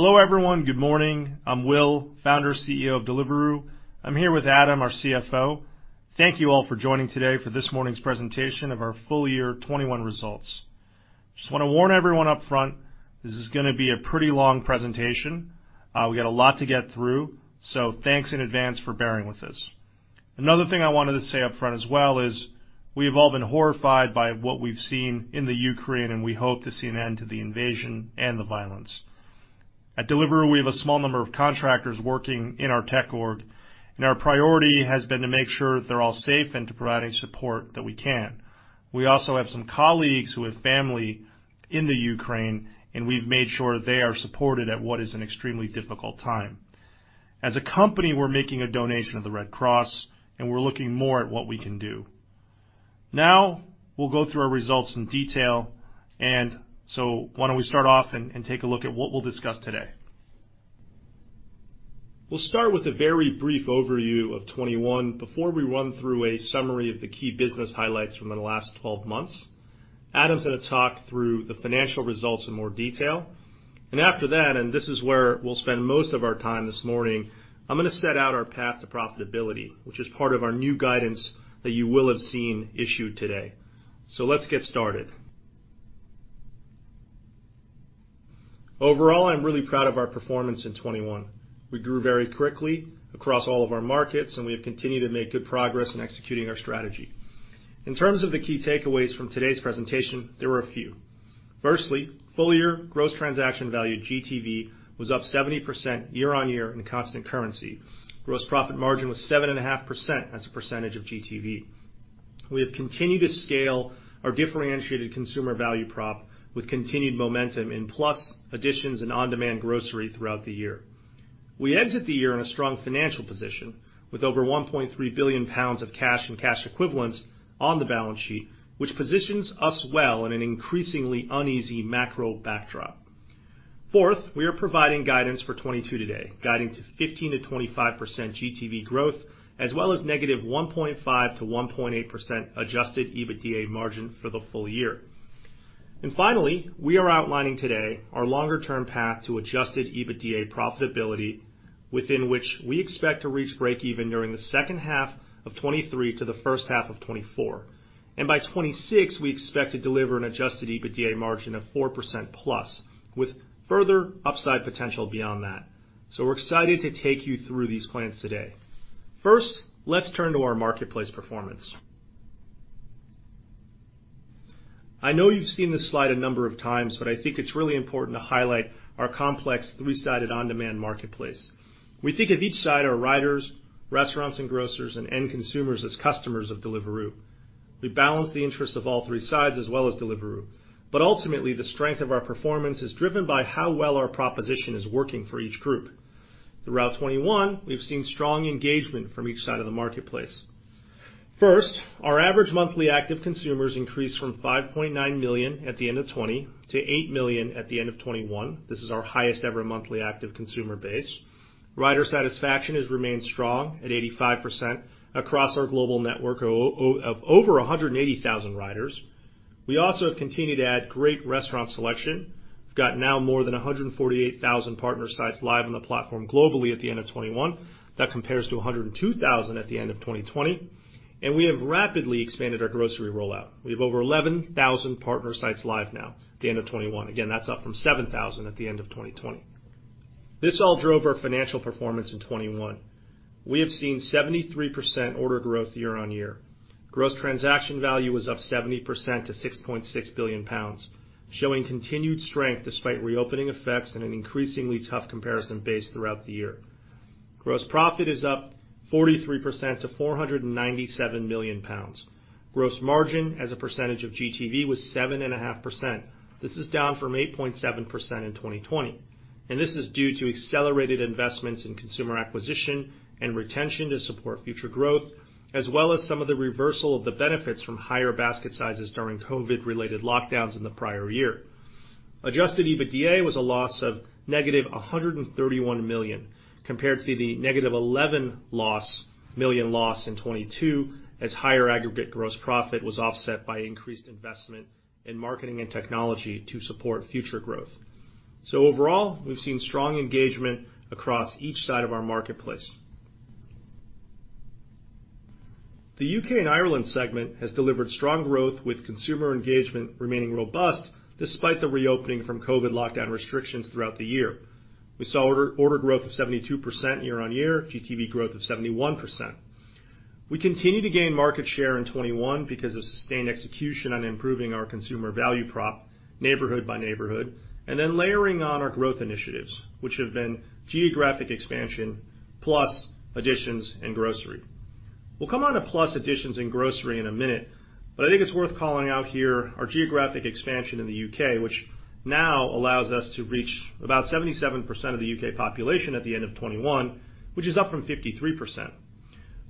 Hello everyone. Good morning. I'm Will, Founder and CEO of Deliveroo. I'm here with Adam, our CFO. Thank you all for joining today for this morning's presentation of our full year 2021 results. Just wanna warn everyone up front, this is gonna be a pretty long presentation. We got a lot to get through, so thanks in advance for bearing with us. Another thing I wanted to say up front as well is we've all been horrified by what we've seen in the Ukraine, and we hope to see an end to the invasion and the violence. At Deliveroo, we have a small number of contractors working in our tech org, and our priority has been to make sure they're all safe and to provide any support that we can. We also have some colleagues who have family in the Ukraine, and we've made sure they are supported at what is an extremely difficult time. As a company, we're making a donation to the Red Cross, and we're looking more at what we can do. Now we'll go through our results in detail, why don't we start off and take a look at what we'll discuss today. We'll start with a very brief overview of 2021 before we run through a summary of the key business highlights from the last 12 months. Adam's gonna talk through the financial results in more detail. After that, and this is where we'll spend most of our time this morning, I'm gonna set out our path to profitability, which is part of our new guidance that you will have seen issued today. Let's get started. Overall, I'm really proud of our performance in 2021. We grew very quickly across all of our markets, and we have continued to make good progress in executing our strategy. In terms of the key takeaways from today's presentation, there are a few. Firstly, full year gross transaction value, GTV, was up 70% year-over-year in constant currency. Gross profit margin was 7.5% as a percentage of GTV. We have continued to scale our differentiated consumer value prop with continued momentum in Plus additions and on-demand grocery throughout the year. We exit the year in a strong financial position with over 1.3 billion pounds of cash and cash equivalents on the balance sheet, which positions us well in an increasingly uneasy macro backdrop. Fourth, we are providing guidance for 2022 today, guiding to 15%-25% GTV growth, as well as -1.5% to -1.8% adjusted EBITDA margin for the full year. Finally, we are outlining today our longer term path to adjusted EBITDA profitability, within which we expect to reach breakeven during the second half of 2023 to the first half of 2024. By 2026, we expect to deliver an adjusted EBITDA margin of 4%+, with further upside potential beyond that. We're excited to take you through these plans today. First, let's turn to our marketplace performance. I know you've seen this slide a number of times, but I think it's really important to highlight our complex three-sided on-demand marketplace. We think of each side, our riders, restaurants and grocers, and end consumers as customers of Deliveroo. We balance the interests of all three sides as well as Deliveroo, but ultimately, the strength of our performance is driven by how well our proposition is working for each group. Throughout 2021, we've seen strong engagement from each side of the marketplace. First, our average monthly active consumers increased from 5.9 million at the end of 2020 to eight million at the end of 2021. This is our highest ever monthly active consumer base. Rider satisfaction has remained strong at 85% across our global network of over 180,000 riders. We also have continued to add great restaurant selection. We've got now more than 148,000 partner sites live on the platform globally at the end of 2021. That compares to 102,000 at the end of 2020. We have rapidly expanded our grocery rollout. We have over 11,000 partner sites live now at the end of 2021. Again, that's up from 7,000 at the end of 2020. This all drove our financial performance in 2021. We have seen 73% order growth year-on-year. Gross transaction value was up 70% to 6.6 billion pounds, showing continued strength despite reopening effects and an increasingly tough comparison base throughout the year. Gross profit is up 43% to 497 million pounds. Gross margin as a percentage of GTV was 7.5%. This is down from 8.7% in 2020, and this is due to accelerated investments in consumer acquisition and retention to support future growth, as well as some of the reversal of the benefits from higher basket sizes during COVID-related lockdowns in the prior year. Adjusted EBITDA was a loss of -131 million compared to the -11 million loss in 2022, as higher aggregate gross profit was offset by increased investment in marketing and technology to support future growth. Overall, we've seen strong engagement across each side of our marketplace. The U.K. and Ireland segment has delivered strong growth with consumer engagement remaining robust despite the reopening from COVID lockdown restrictions throughout the year. We saw order growth of 72% year-on-year, GTV growth of 71%. We continued to gain market share in 2021 because of sustained execution on improving our consumer value prop neighborhood by neighborhood, and then layering on our growth initiatives, which have been geographic expansion, Plus additions, and grocery. We'll come on to Plus additions and grocery in a minute, but I think it's worth calling out here our geographic expansion in the U.K., which now allows us to reach about 77% of the U.K. population at the end of 2021, which is up from 53%.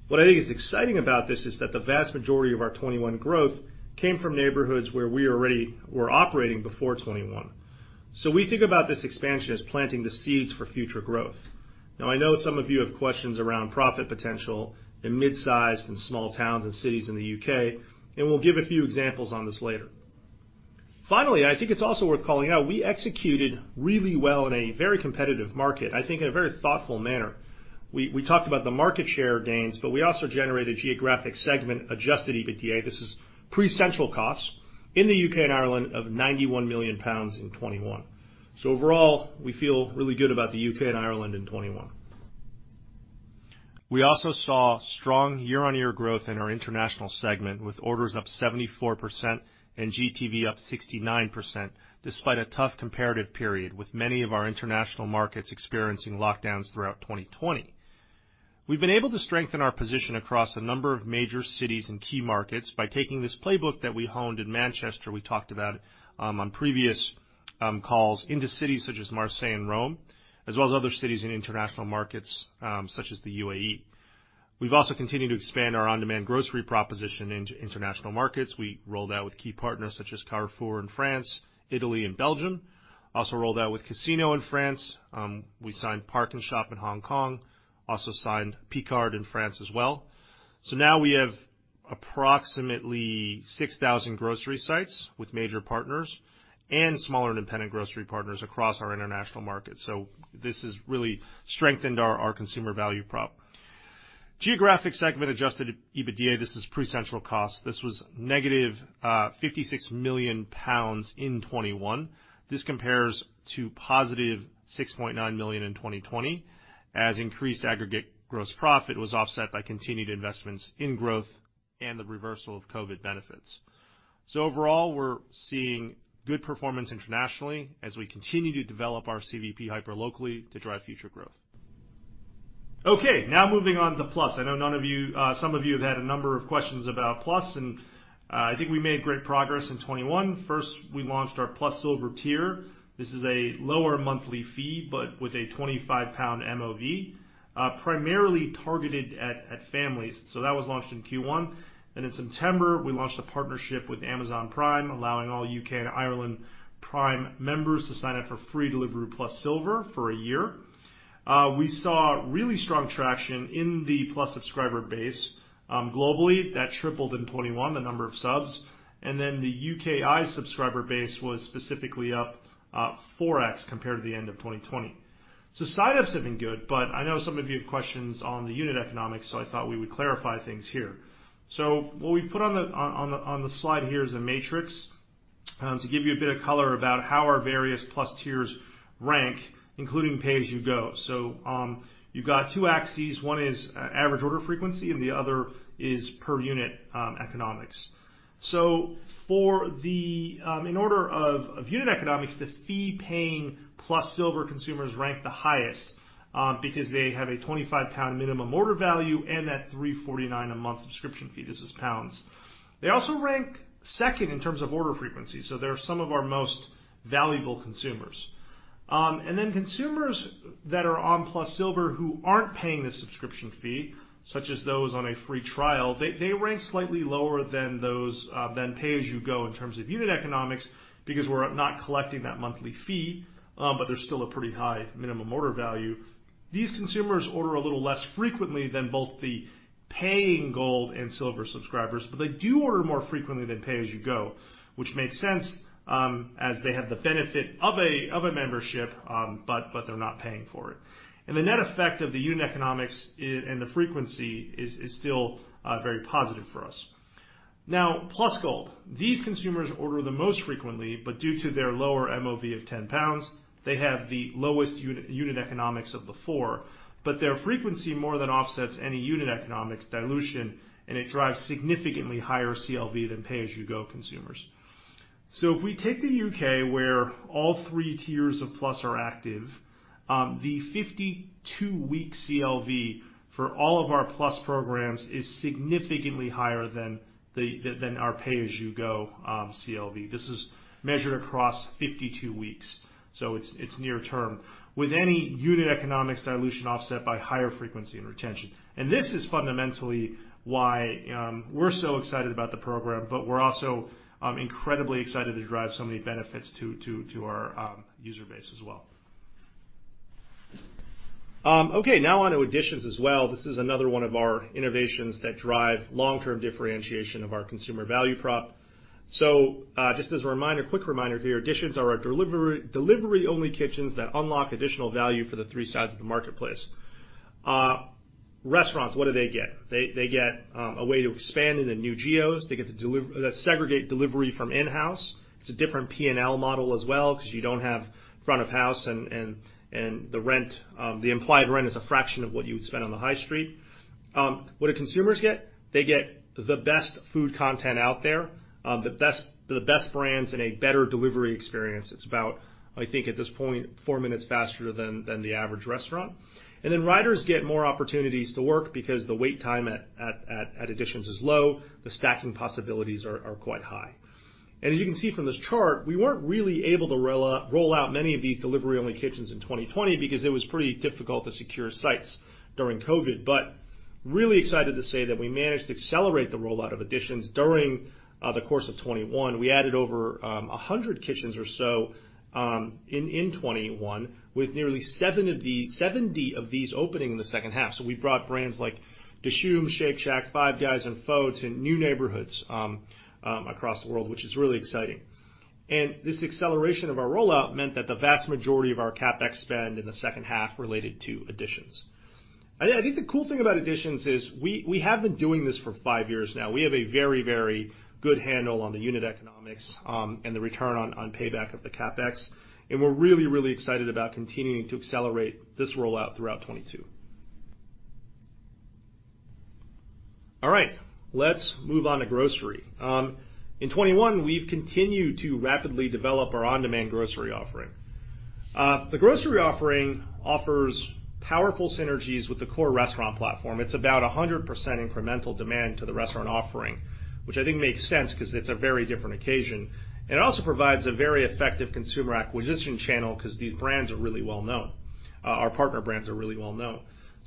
What I think is exciting about this is that the vast majority of our 2021 growth came from neighborhoods where we already were operating before 2021. We think about this expansion as planting the seeds for future growth. Now I know some of you have questions around profit potential in mid-sized and small towns and cities in the U.K., and we'll give a few examples on this later. Finally, I think it's also worth calling out we executed really well in a very competitive market, I think in a very thoughtful manner. We talked about the market share gains, but we also generated geographic segment adjusted EBITDA, this is pre-central costs in the U.K. and Ireland of 91 million pounds in 2021. Overall, we feel really good about the U.K. and Ireland in 2021. We also saw strong year-on-year growth in our international segment, with orders up 74% and GTV up 69%, despite a tough comparative period with many of our international markets experiencing lockdowns throughout 2020. We've been able to strengthen our position across a number of major cities and key markets by taking this playbook that we honed in Manchester we talked about on previous calls into cities such as Marseille and Rome, as well as other cities in international markets, such as the UAE. We've also continued to expand our on-demand grocery proposition into international markets. We rolled out with key partners such as Carrefour in France, Italy and Belgium, also rolled out with Casino in France, we signed PARKnSHOP in Hong Kong, also signed Picard in France as well. Now we have approximately 6,000 grocery sites with major partners and smaller independent grocery partners across our international markets. This has really strengthened our consumer value prop. Geographic segment adjusted EBITDA, this is pre-central cost. This was negative 56 million pounds in 2021. This compares to positive 6.9 million in 2020, as increased aggregate gross profit was offset by continued investments in growth and the reversal of COVID benefits. Overall, we're seeing good performance internationally as we continue to develop our CVP hyper locally to drive future growth. Okay, now moving on to Plus. I know none of you, some of you have had a number of questions about Plus, and I think we made great progress in 2021. First, we launched our Plus Silver tier. This is a lower monthly fee, but with a 25 pound MOV, primarily targeted at families. That was launched in Q1. In September, we launched a partnership with Amazon Prime, allowing all U.K and Ireland Prime members to sign up for free delivery Plus Silver for a year. We saw really strong traction in the Plus subscriber base, globally. That tripled in 2021, the number of subs. The UKI subscriber base was specifically up 4x compared to the end of 2020. Sign-ups have been good, but I know some of you have questions on the unit economics, so I thought we would clarify things here. What we've put on the slide here is a matrix to give you a bit of color about how our various Plus tiers rank, including pay-as-you-go. You've got two axes. One is average order frequency, and the other is per unit economics. In order of unit economics, the fee-paying Plus Silver consumers rank the highest because they have a 25 pound minimum order value and that 3.49 a month subscription fee. This is pounds. They also rank second in terms of order frequency, so they're some of our most valuable consumers. Consumers that are on Plus Silver who aren't paying the subscription fee, such as those on a free trial, they rank slightly lower than those than pay-as-you-go in terms of unit economics because we're not collecting that monthly fee, but there's still a pretty high minimum order value. These consumers order a little less frequently than both the paying Gold and Silver subscribers, but they do order more frequently than pay-as-you-go, which makes sense, as they have the benefit of a membership, but they're not paying for it. The net effect of the unit economics and the frequency is still very positive for us. Now, Plus Gold. These consumers order the most frequently, but due to their lower MOV of 10 pounds, they have the lowest unit economics of the four, but their frequency more than offsets any unit economics dilution, and it drives significantly higher CLV than pay-as-you-go consumers. If we take the U.K., where all three tiers of Plus are active, the 52-week CLV for all of our Plus programs is significantly higher than our pay-as-you-go CLV. This is measured across 52 weeks, so it's near term, with any unit economics dilution offset by higher frequency and retention. This is fundamentally why we're so excited about the program, but we're also incredibly excited to drive so many benefits to our user base as well. Okay, now on to Editions as well. This is another one of our innovations that drive long-term differentiation of our consumer value prop. Just as a reminder, quick reminder here, Editions are our delivery-only kitchens that unlock additional value for the three sides of the marketplace. Restaurants, what do they get? They get a way to expand into new geos. They segregate delivery from in-house. It's a different P&L model as well because you don't have front of house and the rent. The implied rent is a fraction of what you would spend on the high street. What do consumers get? They get the best food content out there, the best brands and a better delivery experience. It's about, I think at this point, four minutes faster than the average restaurant. Riders get more opportunities to work because the wait time at Editions is low, the stacking possibilities are quite high. As you can see from this chart, we weren't really able to roll out many of these delivery-only kitchens in 2020 because it was pretty difficult to secure sites during COVID. Really excited to say that we managed to accelerate the rollout of Editions during the course of 2021. We added over 100 kitchens or so in 2021 with nearly 70 of these opening in the second half. We brought brands like Dishoom, Shake Shack, Five Guys and Pho to new neighborhoods across the world, which is really exciting. This acceleration of our rollout meant that the vast majority of our CapEx spend in the second half related to additions. I think the cool thing about additions is we have been doing this for five years now. We have a very, very good handle on the unit economics, and the return on payback of the CapEx, and we're really, really excited about continuing to accelerate this rollout throughout 2022. All right, let's move on to grocery. In 2021, we've continued to rapidly develop our on-demand grocery offering. The grocery offering offers powerful synergies with the core restaurant platform. It's about 100% incremental demand to the restaurant offering, which I think makes sense 'cause it's a very different occasion. It also provides a very effective consumer acquisition channel 'cause these brands are really well-known. Our partner brands are really well-known.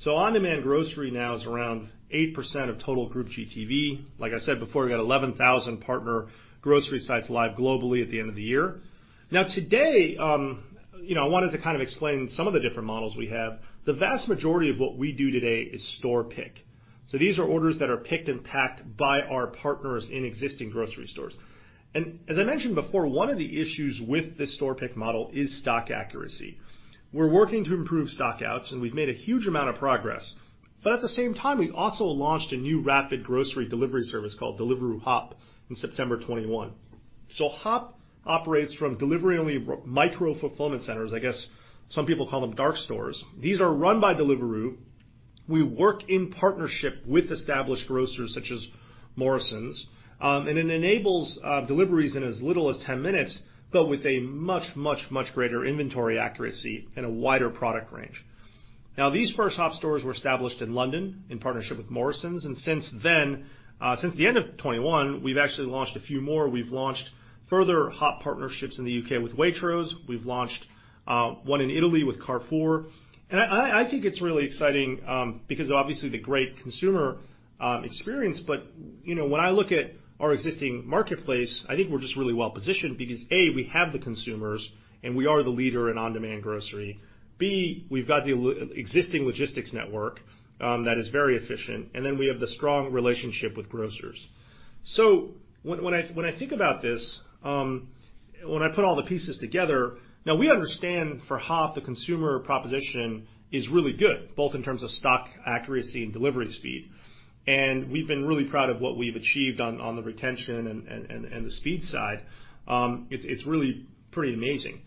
On-demand grocery now is around 8% of total group GTV. Like I said before, we've got 11,000 partner grocery sites live globally at the end of the year. Now, today, you know, I wanted to kind of explain some of the different models we have. The vast majority of what we do today is store pick. These are orders that are picked and packed by our partners in existing grocery stores. As I mentioned before, one of the issues with this store pick model is stock accuracy. We're working to improve stock-outs, and we've made a huge amount of progress. At the same time, we also launched a new rapid grocery delivery service called Deliveroo HOP in September 2021. HOP operates from delivery-only micro fulfillment centers. I guess some people call them dark stores. These are run by Deliveroo. We work in partnership with established grocers such as Morrisons. It enables deliveries in as little as 10 minutes, but with a much greater inventory accuracy and a wider product range. Now, these first HOP stores were established in London in partnership with Morrisons. Since then, since the end of 2021, we've actually launched a few more. We've launched further HOP partnerships in the U.K. with Waitrose. We've launched one in Italy with Carrefour. I think it's really exciting, because obviously the great consumer experience. You know, when I look at our existing marketplace, I think we're just really well positioned because, A, we have the consumers, and we are the leader in on-demand grocery. We've got the existing logistics network that is very efficient, and then we have the strong relationship with grocers. When I think about this, when I put all the pieces together. Now we understand for HOP, the consumer proposition is really good, both in terms of stock accuracy and delivery speed. We've been really proud of what we've achieved on the retention and the speed side. It's really pretty amazing.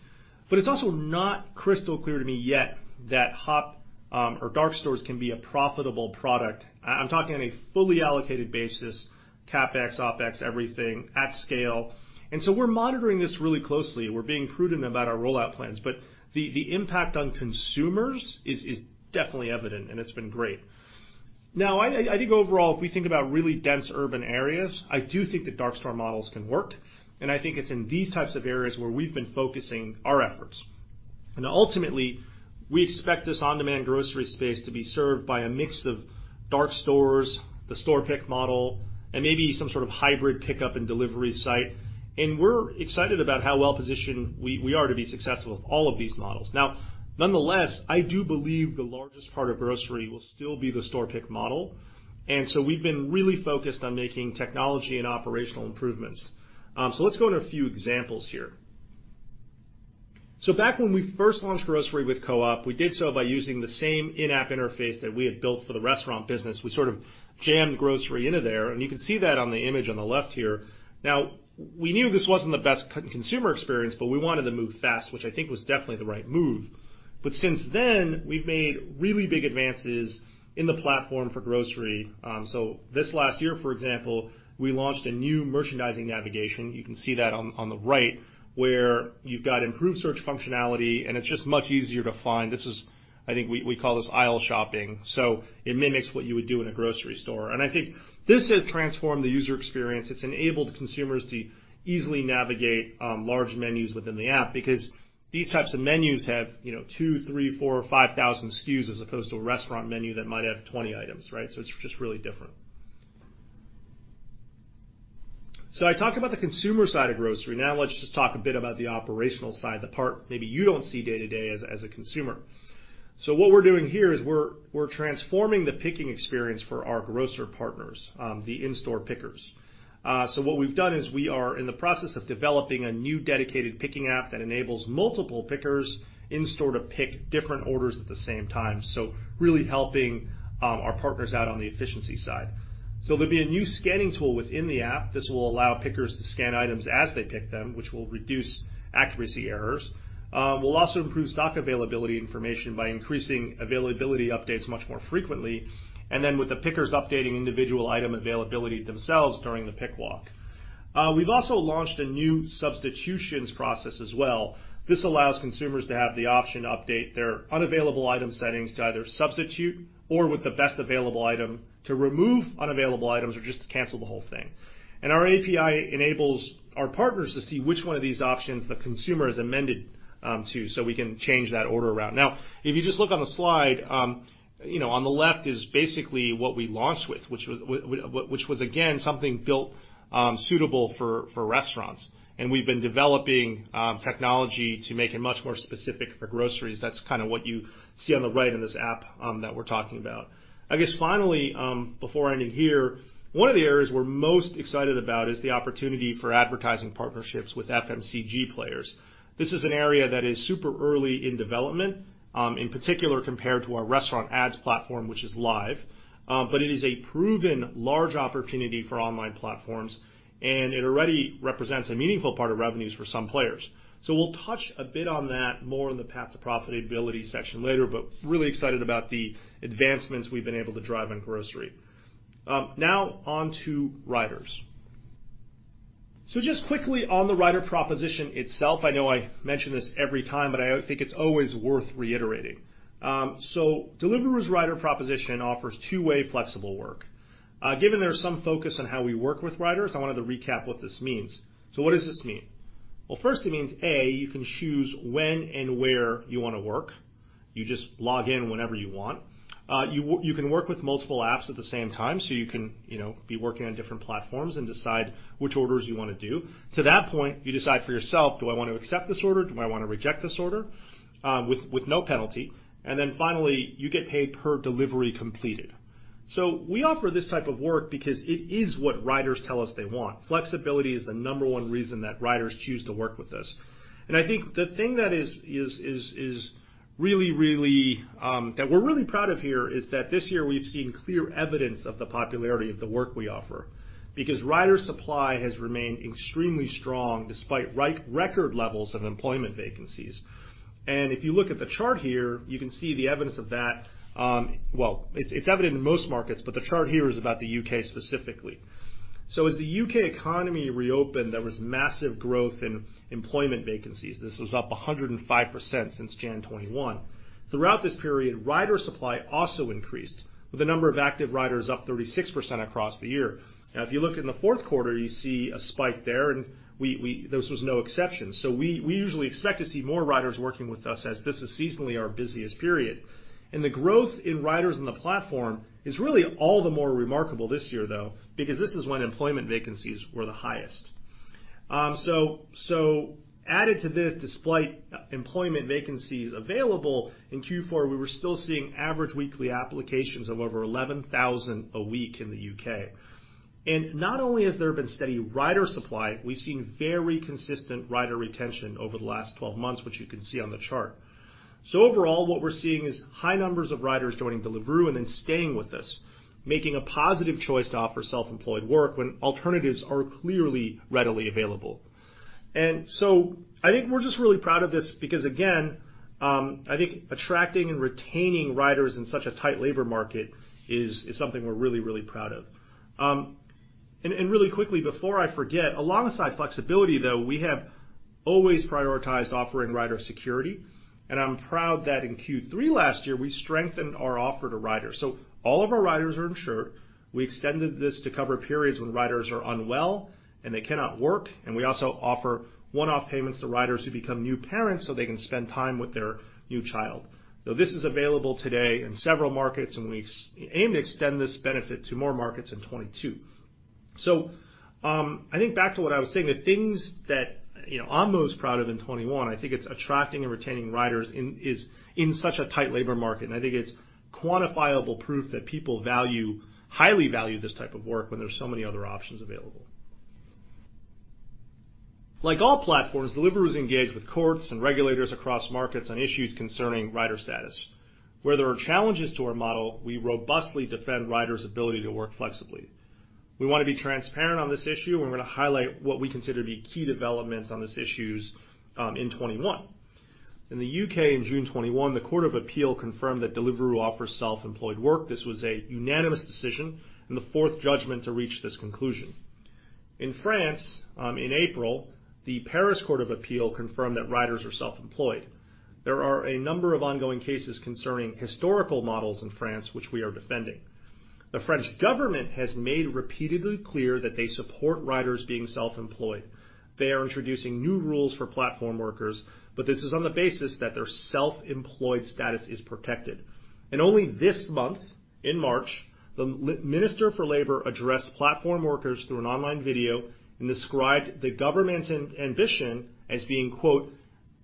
It's also not crystal clear to me yet that HOP or dark stores can be a profitable product. I'm talking on a fully allocated basis, CapEx, OpEx, everything at scale. We're monitoring this really closely. We're being prudent about our rollout plans. The impact on consumers is definitely evident, and it's been great. Now I think overall, if we think about really dense urban areas, I do think the dark store models can work, and I think it's in these types of areas where we've been focusing our efforts. Ultimately, we expect this on-demand grocery space to be served by a mix of dark stores, the store pick model, and maybe some sort of hybrid pickup and delivery site. We're excited about how well-positioned we are to be successful with all of these models. Now, nonetheless, I do believe the largest part of grocery will still be the store pick model. We've been really focused on making technology and operational improvements. Let's go into a few examples here. Back when we first launched grocery with Co-op, we did so by using the same in-app interface that we had built for the restaurant business. We sort of jammed grocery into there, and you can see that on the image on the left here. Now, we knew this wasn't the best consumer experience, but we wanted to move fast, which I think was definitely the right move. Since then, we've made really big advances in the platform for grocery. This last year, for example, we launched a new merchandising navigation, you can see that on the right, where you've got improved search functionality, and it's just much easier to find. This is. I think we call this aisle shopping, so it mimics what you would do in a grocery store. I think this has transformed the user experience. It's enabled consumers to easily navigate large menus within the app because these types of menus have, you know, two, three, four, five thousand SKUs as opposed to a restaurant menu that might have 20 items, right? It's just really different. I talked about the consumer side of grocery. Now let's just talk a bit about the operational side, the part maybe you don't see day-to-day as a consumer. What we're doing here is we're transforming the picking experience for our grocer partners, the in-store pickers. What we've done is we are in the process of developing a new dedicated picking app that enables multiple pickers in-store to pick different orders at the same time. Really helping our partners out on the efficiency side. There'll be a new scanning tool within the app. This will allow pickers to scan items as they pick them, which will reduce accuracy errors. We'll also improve stock availability information by increasing availability updates much more frequently, and then with the pickers updating individual item availability themselves during the pick walk. We've also launched a new substitutions process as well. This allows consumers to have the option to update their unavailable item settings to either substitute or with the best available item, to remove unavailable items or just to cancel the whole thing. Our API enables our partners to see which one of these options the consumer has amended, so we can change that order around. Now, if you just look on the slide, you know, on the left is basically what we launched with, which was again, something built, suitable for restaurants. We've been developing technology to make it much more specific for groceries. That's kinda what you see on the right in this app that we're talking about. I guess finally, before ending here, one of the areas we're most excited about is the opportunity for advertising partnerships with FMCG players. This is an area that is super early in development, in particular, compared to our restaurant ads platform, which is live. It is a proven large opportunity for online platforms, and it already represents a meaningful part of revenues for some players. We'll touch a bit on that more in the path to profitability section later, but really excited about the advancements we've been able to drive in grocery. Now on to riders. Just quickly on the rider proposition itself, I know I mention this every time, but I think it's always worth reiterating. Deliveroo's rider proposition offers two-way flexible work. Given there's some focus on how we work with riders, I wanted to recap what this means. What does this mean? Well, first, it means, A, you can choose when and where you wanna work. You just log in whenever you want. You can work with multiple apps at the same time, so you can, you know, be working on different platforms and decide which orders you wanna do. To that point, you decide for yourself, do I want to accept this order? Do I want to reject this order, with no penalty. Then finally, you get paid per delivery completed. We offer this type of work because it is what riders tell us they want. Flexibility is the number one reason that riders choose to work with us. I think the thing that is really that we're really proud of here is that this year we've seen clear evidence of the popularity of the work we offer because rider supply has remained extremely strong despite record levels of employment vacancies. If you look at the chart here, you can see the evidence of that. Well, it's evident in most markets, but the chart here is about the U.K. specifically. As the U.K. economy reopened, there was massive growth in employment vacancies. This was up 105% since January 2021. Throughout this period, rider supply also increased, with the number of active riders up 36% across the year. Now, if you look in the fourth quarter, you see a spike there, and this was no exception. We usually expect to see more riders working with us as this is seasonally our busiest period. The growth in riders in the platform is really all the more remarkable this year, though, because this is when employment vacancies were the highest. Added to this, despite employment vacancies available in Q4, we were still seeing average weekly applications of over 11,000 a week in the U.K. Not only has there been steady rider supply, we've seen very consistent rider retention over the last 12 months, which you can see on the chart. Overall, what we're seeing is high numbers of riders joining Deliveroo and then staying with us, making a positive choice to offer self-employed work when alternatives are clearly readily available. I think we're just really proud of this because, again, I think attracting and retaining riders in such a tight labor market is something we're really, really proud of. Really quickly, before I forget, alongside flexibility, though, we have always prioritized offering rider security, and I'm proud that in Q3 last year, we strengthened our offer to riders. All of our riders are insured. We extended this to cover periods when riders are unwell and they cannot work, and we also offer one-off payments to riders who become new parents so they can spend time with their new child. This is available today in several markets, and we aim to extend this benefit to more markets in 2022. I think back to what I was saying, the things that, you know, I'm most proud of in 2021, I think it's attracting and retaining riders in such a tight labor market. I think it's quantifiable proof that people value, highly value this type of work when there's so many other options available. Like all platforms, Deliveroo is engaged with courts and regulators across markets on issues concerning rider status. Where there are challenges to our model, we robustly defend riders' ability to work flexibly. We wanna be transparent on this issue, and we're gonna highlight what we consider to be key developments on these issues, in 2021. In the U..K in June 2021, the Court of Appeal confirmed that Deliveroo offers self-employed work. This was a unanimous decision and the fourth judgment to reach this conclusion. In France, in April, the Paris Court of Appeal confirmed that riders are self-employed. There are a number of ongoing cases concerning historical models in France, which we are defending. The French government has made repeatedly clear that they support riders being self-employed. They are introducing new rules for platform workers, but this is on the basis that their self-employed status is protected. Only this month, in March, the minister for labor addressed platform workers through an online video and described the government's ambition as being, quote,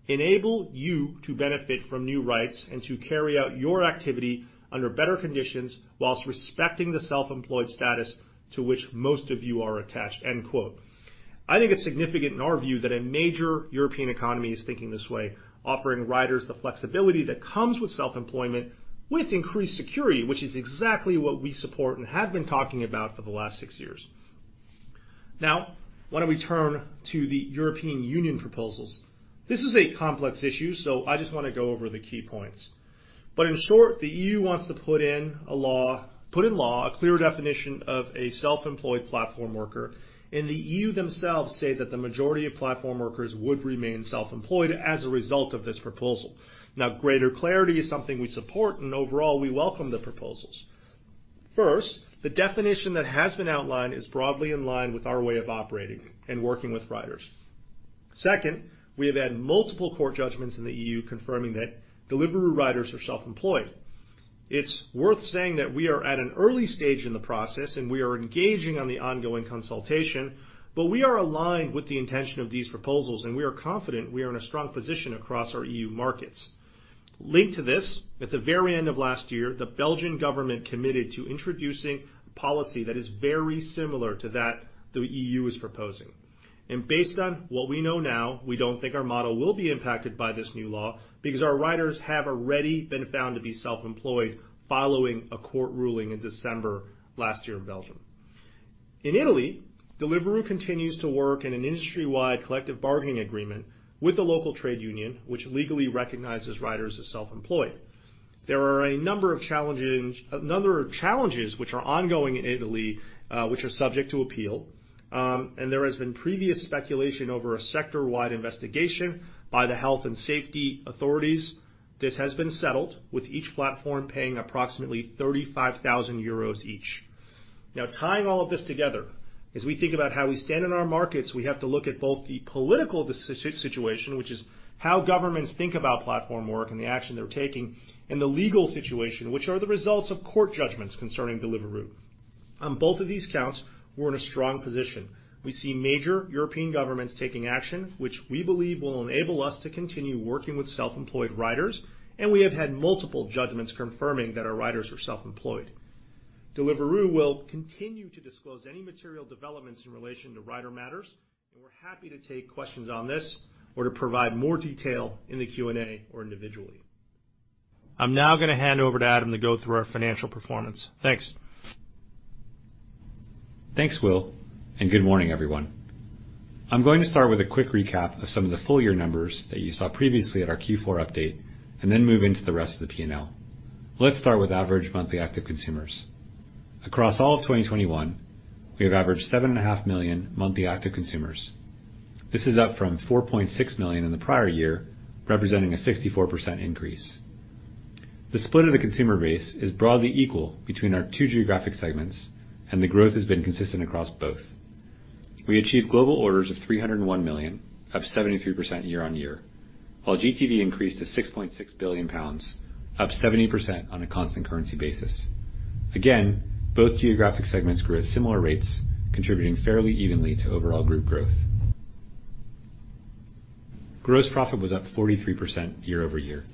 "Enable you to benefit from new rights and to carry out your activity under better conditions whilst respecting the self-employed status to which most of you are attached," end quote. I think it's significant in our view that a major European economy is thinking this way, offering riders the flexibility that comes with self-employment with increased security, which is exactly what we support and have been talking about for the last six years. Now why don't we turn to the European Union proposals? This is a complex issue, so I just wanna go over the key points. In short, the EU wants to put in law a clear definition of a self-employed platform worker, and the EU themselves say that the majority of platform workers would remain self-employed as a result of this proposal. Now, greater clarity is something we support, and overall, we welcome the proposals. First, the definition that has been outlined is broadly in line with our way of operating and working with riders. Second, we have had multiple court judgments in the EU confirming that Deliveroo riders are self-employed. It's worth saying that we are at an early stage in the process, and we are engaging on the ongoing consultation, but we are aligned with the intention of these proposals, and we are confident we are in a strong position across our EU markets. Linked to this, at the very end of last year, the Belgian government committed to introducing policy that is very similar to what the EU is proposing. Based on what we know now, we don't think our model will be impacted by this new law because our riders have already been found to be self-employed following a court ruling in December last year in Belgium. In Italy, Deliveroo continues to work in an industry-wide collective bargaining agreement with the local trade union, which legally recognizes riders as self-employed. There are a number of challenges which are ongoing in Italy, which are subject to appeal. There has been previous speculation over a sector-wide investigation by the health and safety authorities. This has been settled, with each platform paying approximately 35,000 euros each. Now, tying all of this together, as we think about how we stand in our markets, we have to look at both the political situation, which is how governments think about platform work and the action they're taking, and the legal situation, which are the results of court judgments concerning Deliveroo. On both of these counts, we're in a strong position. We see major European governments taking action, which we believe will enable us to continue working with self-employed riders, and we have had multiple judgments confirming that our riders are self-employed. Deliveroo will continue to disclose any material developments in relation to rider matters, and we're happy to take questions on this or to provide more detail in the Q&A or individually. I'm now gonna hand over to Adam to go through our financial performance. Thanks. Thanks, Will, and good morning, everyone. I'm going to start with a quick recap of some of the full year numbers that you saw previously at our Q4 update and then move into the rest of the P&L. Let's start with average monthly active consumers. Across all of 2021, we have averaged 7.5 million monthly active consumers. This is up from 4.6 million in the prior year, representing a 64% increase. The split of the consumer base is broadly equal between our two geographic segments, and the growth has been consistent across both. We achieved global orders of 301 million, up 73% year-over-year, while GTV increased to 6.6 billion pounds, up 70% on a constant currency basis. Again, both geographic segments grew at similar rates, contributing fairly evenly to overall group growth. Gross profit was up 43% year-over-year.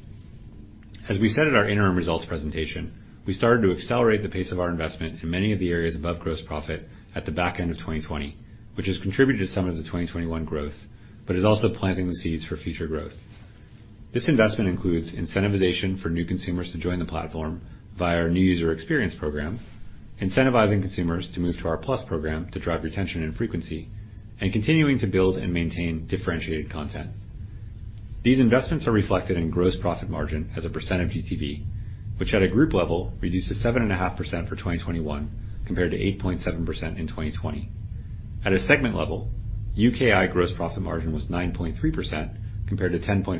As we said at our interim results presentation, we started to accelerate the pace of our investment in many of the areas above gross profit at the back end of 2020, which has contributed to some of the 2021 growth, but is also planting the seeds for future growth. This investment includes incentivization for new consumers to join the platform via our new user experience program, incentivizing consumers to move to our plus program to drive retention and frequency, and continuing to build and maintain differentiated content. These investments are reflected in gross profit margin as a % of GTV, which at a group level reduces 7.5% for 2021 compared to 8.7% in 2020. At a segment level, UKI gross profit margin was 9.3% compared to 10.4% in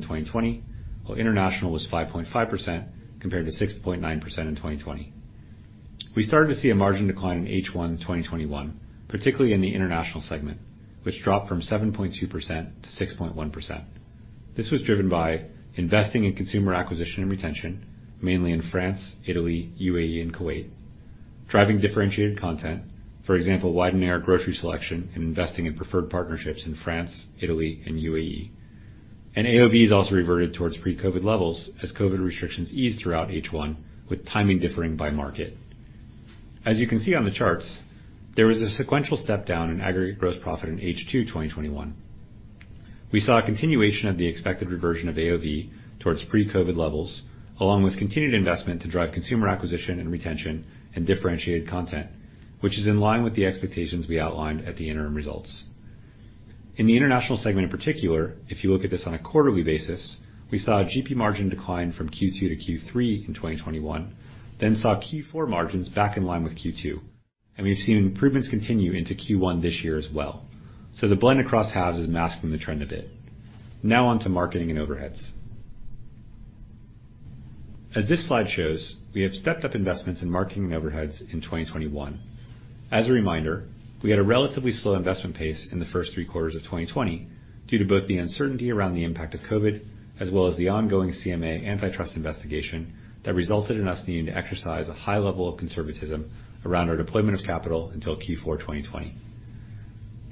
2020, while international was 5.5% compared to 6.9% in 2020. We started to see a margin decline in H1 2021, particularly in the international segment, which dropped from 7.2% to 6.1%. This was driven by investing in consumer acquisition and retention, mainly in France, Italy, UAE, and Kuwait, driving differentiated content, for example, widening our grocery selection and investing in preferred partnerships in France, Italy and UAE. AOV has also reverted towards pre-COVID levels as COVID restrictions eased throughout H1 with timing differing by market. As you can see on the charts, there was a sequential step down in aggregate gross profit in H2 2021. We saw a continuation of the expected reversion of AOV towards pre-COVID levels, along with continued investment to drive consumer acquisition and retention and differentiated content, which is in line with the expectations we outlined at the interim results. In the international segment in particular, if you look at this on a quarterly basis, we saw a GP margin decline from Q2 to Q3 in 2021, then saw Q4 margins back in line with Q2. We've seen improvements continue into Q1 this year as well. The blend across halves is masking the trend a bit. Now on to marketing and overheads. As this slide shows, we have stepped up investments in marketing overheads in 2021. As a reminder, we had a relatively slow investment pace in the first three quarters of 2020 due to both the uncertainty around the impact of COVID, as well as the ongoing CMA antitrust investigation that resulted in us needing to exercise a high level of conservatism around our deployment of capital until Q4 2020.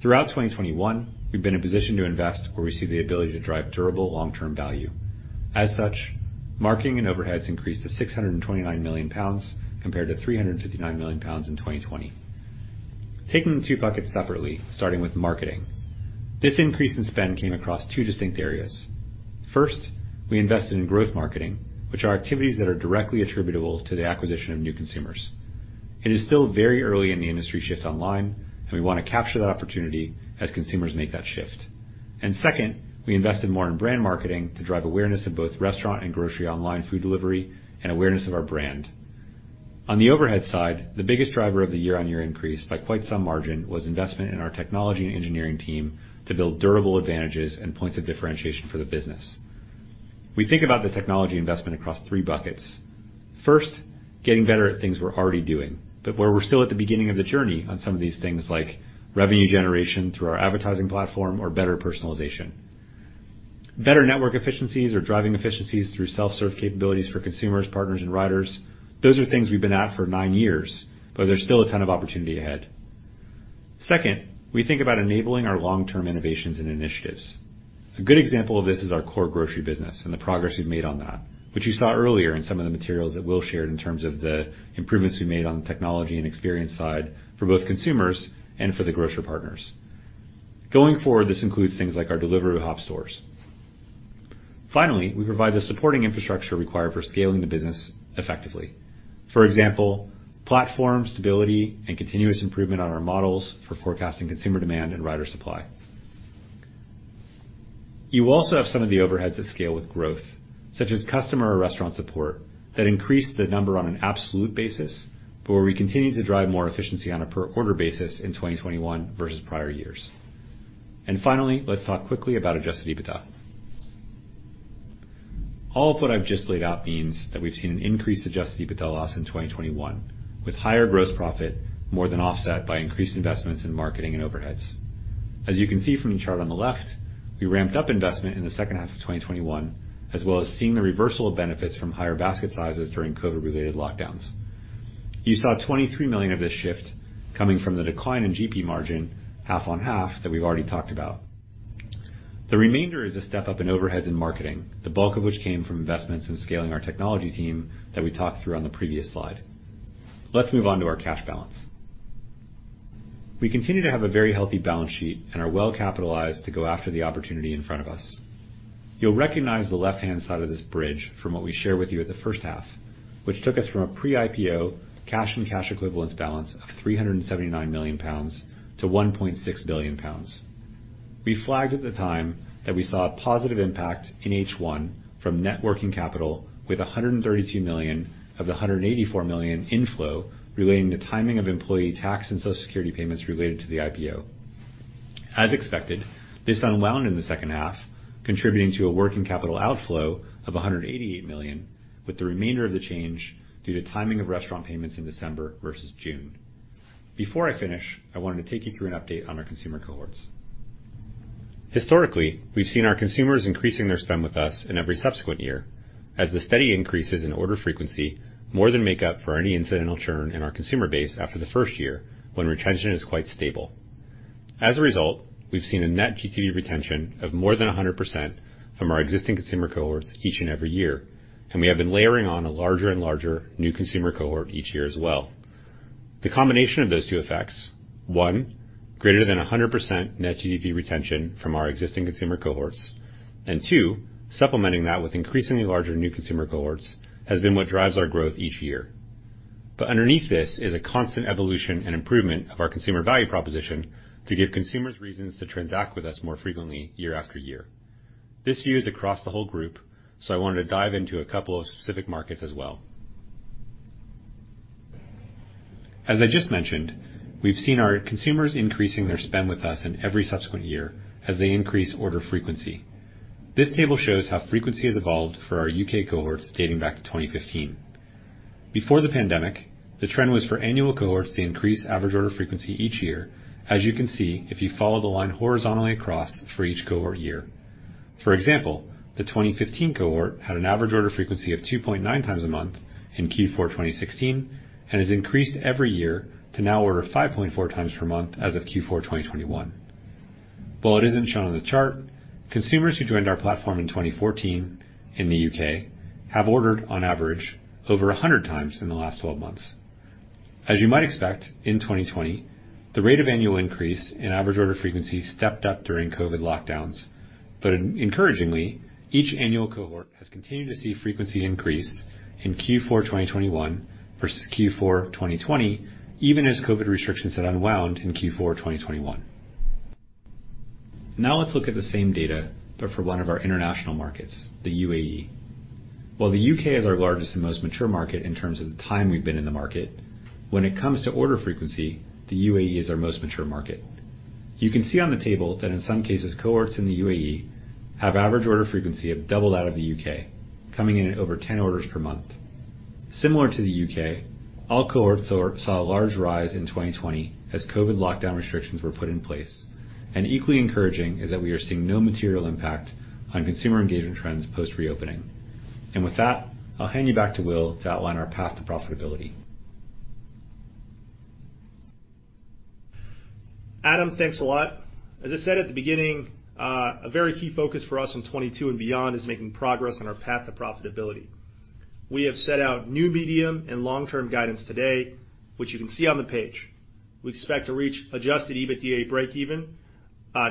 Throughout 2021, we've been in a position to invest where we see the ability to drive durable long-term value. As such, marketing and overheads increased to 629 million pounds compared to 359 million pounds in 2020. Taking the two buckets separately, starting with marketing. This increase in spend came across two distinct areas. First, we invested in growth marketing, which are activities that are directly attributable to the acquisition of new consumers. It is still very early in the industry shift online, and we wanna capture that opportunity as consumers make that shift. Second, we invested more in brand marketing to drive awareness in both restaurant and grocery online food delivery and awareness of our brand. On the overhead side, the biggest driver of the year on year increase by quite some margin was investment in our technology and engineering team to build durable advantages and points of differentiation for the business. We think about the technology investment across three buckets. First, getting better at things we're already doing, but where we're still at the beginning of the journey on some of these things like revenue generation through our advertising platform or better personalization, better network efficiencies or driving efficiencies through self-serve capabilities for consumers, partners, and riders. Those are things we've been at for nine years, but there's still a ton of opportunity ahead. Second, we think about enabling our long-term innovations and initiatives. A good example of this is our core grocery business and the progress we've made on that, which you saw earlier in some of the materials that Will shared in terms of the improvements we made on the technology and experience side for both consumers and for the grocery partners. Going forward, this includes things like our delivery hub stores. Finally, we provide the supporting infrastructure required for scaling the business effectively. For example, platform stability and continuous improvement on our models for forecasting consumer demand and rider supply. You also have some of the overheads that scale with growth, such as customer or restaurant support, that increase the number on an absolute basis, but where we continue to drive more efficiency on a per order basis in 2021 versus prior years. Finally, let's talk quickly about adjusted EBITDA. All of what I've just laid out means that we've seen an increased adjusted EBITDA loss in 2021, with higher gross profit more than offset by increased investments in marketing and overheads. As you can see from the chart on the left, we ramped up investment in the second half of 2021, as well as seeing the reversal of benefits from higher basket sizes during COVID-related lockdowns. You saw 23 million of this shift coming from the decline in GP margin half-on-half that we've already talked about. The remainder is a step up in overheads and marketing, the bulk of which came from investments in scaling our technology team that we talked through on the previous slide. Let's move on to our cash balance. We continue to have a very healthy balance sheet and are well capitalized to go after the opportunity in front of us. You'll recognize the left-hand side of this bridge from what we shared with you at the first half, which took us from a pre-IPO cash and cash equivalence balance of 379 million pounds to 1.6 billion pounds. We flagged at the time that we saw a positive impact in H1 from net working capital with 132 million of the 184 million inflow relating to timing of employee tax and social security payments related to the IPO. As expected, this unwound in the second half, contributing to a working capital outflow of 188 million, with the remainder of the change due to timing of restaurant payments in December versus June. Before I finish, I wanted to take you through an update on our consumer cohorts. Historically, we've seen our consumers increasing their spend with us in every subsequent year as the steady increases in order frequency more than make up for any incidental churn in our consumer base after the first year when retention is quite stable. As a result, we've seen a net GTV retention of more than 100% from our existing consumer cohorts each and every year, and we have been layering on a larger and larger new consumer cohort each year as well. The combination of those two effects, one, greater than 100% net GTV retention from our existing consumer cohorts, and two, supplementing that with increasingly larger new consumer cohorts, has been what drives our growth each year. Underneath this is a constant evolution and improvement of our consumer value proposition to give consumers reasons to transact with us more frequently year after year. This view is across the whole group, so I wanted to dive into a couple of specific markets as well. As I just mentioned, we've seen our consumers increasing their spend with us in every subsequent year as they increase order frequency. This table shows how frequency has evolved for our U.K. cohorts dating back to 2015. Before the pandemic, the trend was for annual cohorts to increase average order frequency each year, as you can see if you follow the line horizontally across for each cohort year. For example, the 2015 cohort had an average order frequency of 2.9 times a month in Q4 2016 and has increased every year to now order 5.4x per month as of Q4 2021. While it isn't shown on the chart, consumers who joined our platform in 2014 in the U.K. have ordered on average over 100 times in the last 12 months. As you might expect, in 2020, the rate of annual increase in average order frequency stepped up during COVID lockdowns. Encouragingly, each annual cohort has continued to see frequency increase in Q4 2021 versus Q4 2020, even as COVID restrictions had unwound in Q4 2021. Now let's look at the same data, but for one of our international markets, the UAE. While the U.K. is our largest and most mature market in terms of the time we've been in the market, when it comes to order frequency, the UAE is our most mature market. You can see on the table that in some cases, cohorts in the UAE have average order frequency doubled out of the U.K., coming in at over 10 orders per month. Similar to the U.K., all cohorts saw a large rise in 2020 as COVID lockdown restrictions were put in place, and equally encouraging is that we are seeing no material impact on consumer engagement trends post-reopening. With that, I'll hand you back to Will to outline our path to profitability. Adam, thanks a lot. As I said at the beginning, a very key focus for us in 2022 and beyond is making progress on our path to profitability. We have set out new medium and long-term guidance today, which you can see on the page. We expect to reach adjusted EBITDA breakeven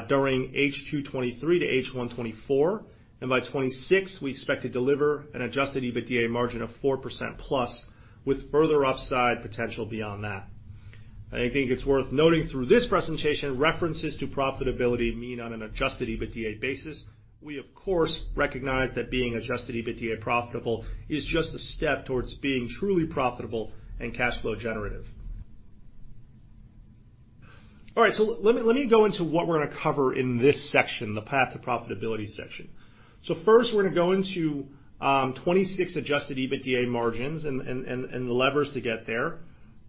during H2 2023-H1 2024, and by 2026, we expect to deliver an adjusted EBITDA margin of 4%+ with further upside potential beyond that. I think it's worth noting through this presentation, references to profitability mean on an adjusted EBITDA basis. We, of course, recognize that being adjusted EBITDA profitable is just a step towards being truly profitable and cash flow generative. All right. Let me go into what we're gonna cover in this section, the path to profitability section. First, we're gonna go into 2026 adjusted EBITDA margins and the levers to get there.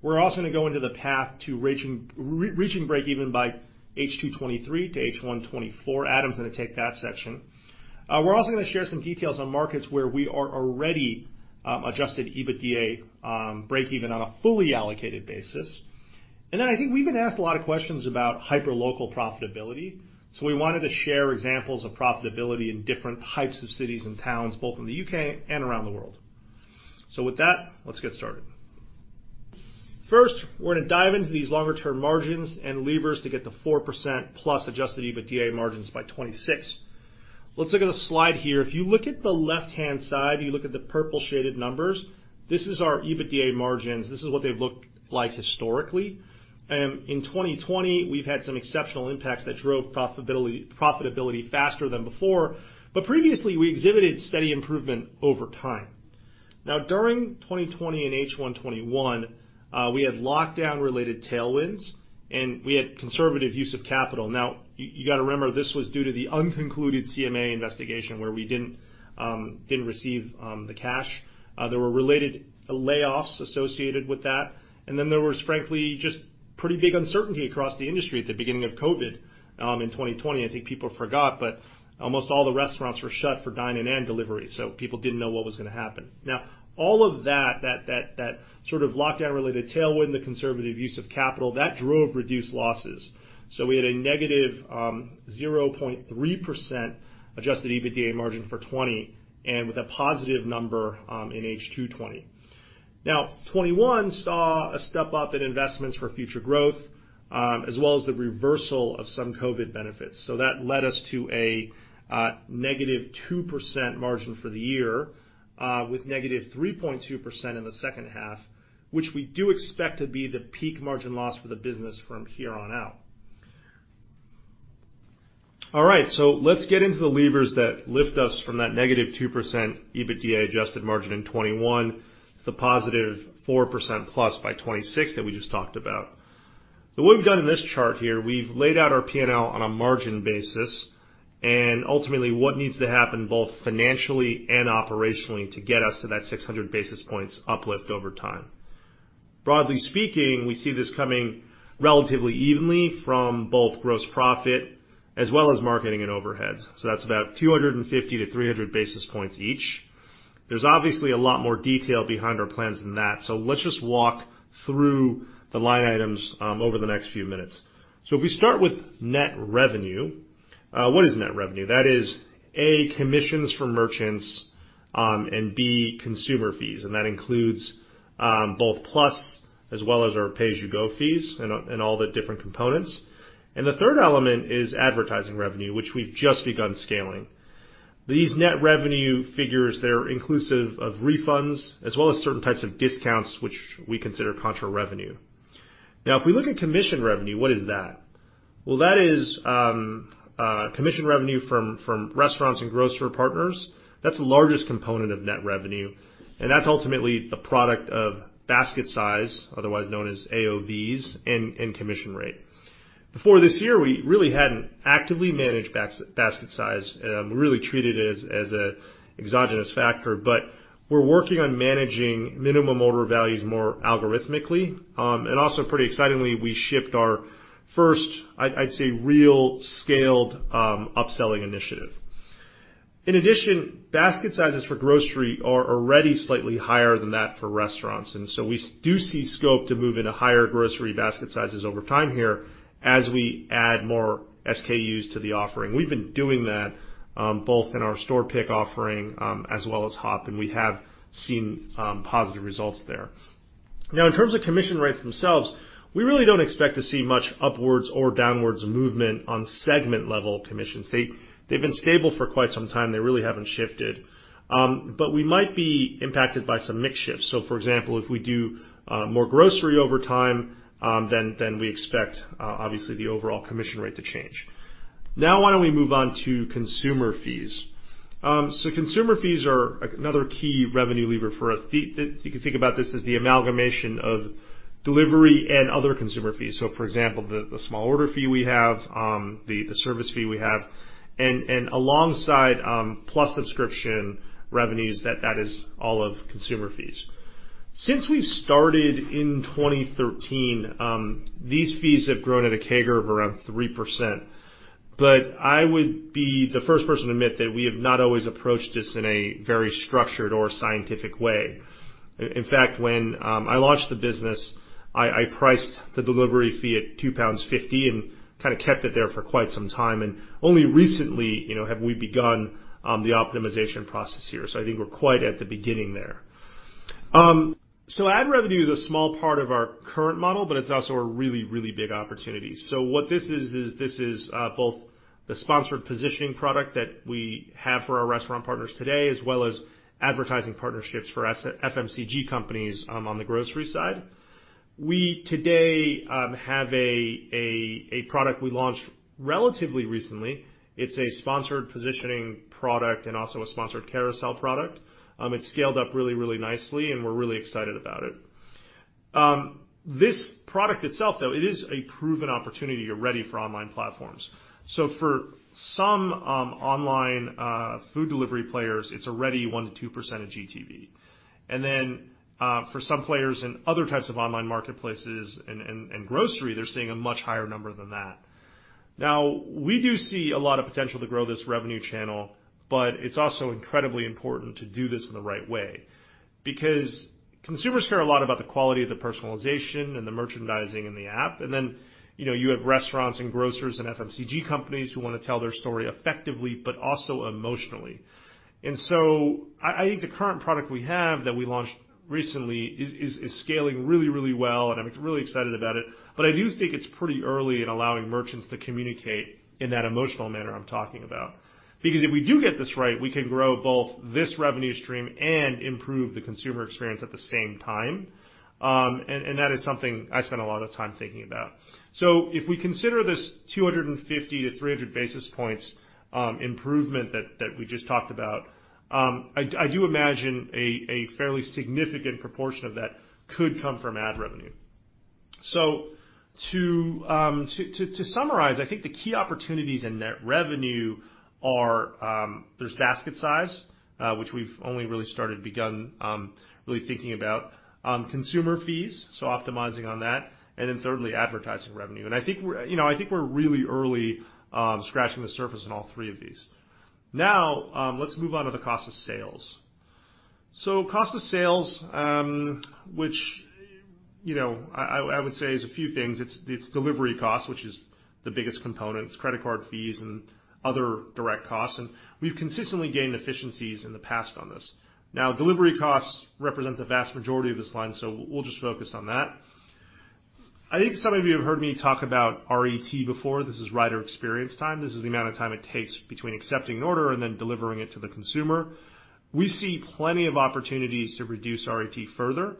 We're also gonna go into the path to re-reaching breakeven by H2 2023 to H1 2024. Adam's gonna take that section. We're also gonna share some details on markets where we are already adjusted EBITDA breakeven on a fully allocated basis. I think we've been asked a lot of questions about hyperlocal profitability. We wanted to share examples of profitability in different types of cities and towns, both in the U.K. and around the world. With that, let's get started. First, we're gonna dive into these longer-term margins and levers to get to 4%+ adjusted EBITDA margins by 2026. Let's look at the slide here. If you look at the left-hand side, you look at the purple shaded numbers, this is our EBITDA margins. This is what they've looked like historically. In 2020, we've had some exceptional impacts that drove profitability faster than before. Previously, we exhibited steady improvement over time. Now, during 2020 and H1 2021, we had lockdown related tailwinds, and we had conservative use of capital. You gotta remember, this was due to the unconcluded CMA investigation, where we didn't receive the cash. There were related layoffs associated with that. Then there was frankly, just pretty big uncertainty across the industry at the beginning of COVID, in 2020. I think people forgot, but almost all the restaurants were shut for dine-in and delivery, so people didn't know what was gonna happen. Now, all of that sort of lockdown related tailwind, the conservative use of capital, that drove reduced losses. We had a negative 0.3% adjusted EBITDA margin for 2020, and with a positive number in H2 2020. Now, 2021 saw a step up in investments for future growth, as well as the reversal of some COVID benefits. That led us to a negative 2% margin for the year, with negative 3.2% in the second half, which we do expect to be the peak margin loss for the business from here on out. All right, let's get into the levers that lift us from that negative 2% adjusted EBITDA margin in 2021 to the positive 4% plus by 2026 that we just talked about. What we've done in this chart here, we've laid out our P&L on a margin basis, and ultimately, what needs to happen both financially and operationally to get us to that 600 basis points uplift over time. Broadly speaking, we see this coming relatively evenly from both gross profit as well as marketing and overheads. That's about 250-300 basis points each. There's obviously a lot more detail behind our plans than that, so let's just walk through the line items over the next few minutes. If we start with net revenue, what is net revenue? That is A, commissions from merchants, and B, consumer fees. And that includes both Plus as well as our pay-as-you-go fees and all the different components. The third element is advertising revenue, which we've just begun scaling. These net revenue figures, they're inclusive of refunds as well as certain types of discounts, which we consider contra revenue. Now, if we look at commission revenue, what is that? Well, that is commission revenue from restaurants and grocery partners. That's the largest component of net revenue, and that's ultimately a product of basket size, otherwise known as AOVs, and commission rate. Before this year, we really hadn't actively managed basket size. We really treated it as an exogenous factor. But we're working on managing minimum order values more algorithmically. And also pretty excitingly, we shipped our first, I'd say, real scaled upselling initiative. In addition, basket sizes for grocery are already slightly higher than that for restaurants, and so we do see scope to move into higher grocery basket sizes over time here as we add more SKUs to the offering. We've been doing that, both in our store pick offering, as well as HOP, and we have seen positive results there. Now, in terms of commission rates themselves, we really don't expect to see much upwards or downwards movement on segment-level commissions. They've been stable for quite some time. They really haven't shifted. We might be impacted by some mix shifts. For example, if we do more grocery over time, then we expect obviously the overall commission rate to change. Now why don't we move on to consumer fees? Consumer fees are another key revenue lever for us. You can think about this as the amalgamation of delivery and other consumer fees. For example, the small order fee we have, the service fee we have, and alongside Plus subscription revenues, that is all of consumer fees. Since we've started in 2013, these fees have grown at a CAGR of around 3%. I would be the first person to admit that we have not always approached this in a very structured or scientific way. In fact, when I launched the business, I priced the delivery fee at 2.50 pounds and kinda kept it there for quite some time. Only recently, you know, have we begun the optimization process here. I think we're quite at the beginning there. Ad revenue is a small part of our current model, but it's also a really, really big opportunity. What this is both the sponsored positioning product that we have for our restaurant partners today, as well as advertising partnerships for FMCG companies on the grocery side. We today have a product we launched relatively recently. It's a sponsored positioning product and also a sponsored carousel product. This product itself though, it is a proven opportunity already for online platforms. For some online food delivery players, it's already 1%-2% of GTV. Then for some players in other types of online marketplaces and grocery, they're seeing a much higher number than that. Now, we do see a lot of potential to grow this revenue channel, but it's also incredibly important to do this in the right way because consumers care a lot about the quality of the personalization and the merchandising in the app. You know, you have restaurants and grocers and FMCG companies who wanna tell their story effectively, but also emotionally. I think the current product we have that we launched recently is scaling really, really well, and I'm really excited about it. I do think it's pretty early in allowing merchants to communicate in that emotional manner I'm talking about. Because if we do get this right, we can grow both this revenue stream and improve the consumer experience at the same time. That is something I spend a lot of time thinking about. If we consider this 250-300 basis points improvement that we just talked about, I do imagine a fairly significant proportion of that could come from ad revenue. To summarize, I think the key opportunities in net revenue are, there's basket size, which we've only really begun really thinking about. Consumer fees, so optimizing on that. And then thirdly, advertising revenue. And I think we're, you know, really early, scratching the surface in all three of these. Now, let's move on to the cost of sales. Cost of sales, which, you know, I would say is a few things. It's delivery costs, which is the biggest component. It's credit card fees and other direct costs, and we've consistently gained efficiencies in the past on this. Now, delivery costs represent the vast majority of this line, so we'll just focus on that. I think some of you have heard me talk about RET before. This is rider experience time. This is the amount of time it takes between accepting an order and then delivering it to the consumer. We see plenty of opportunities to reduce RET further,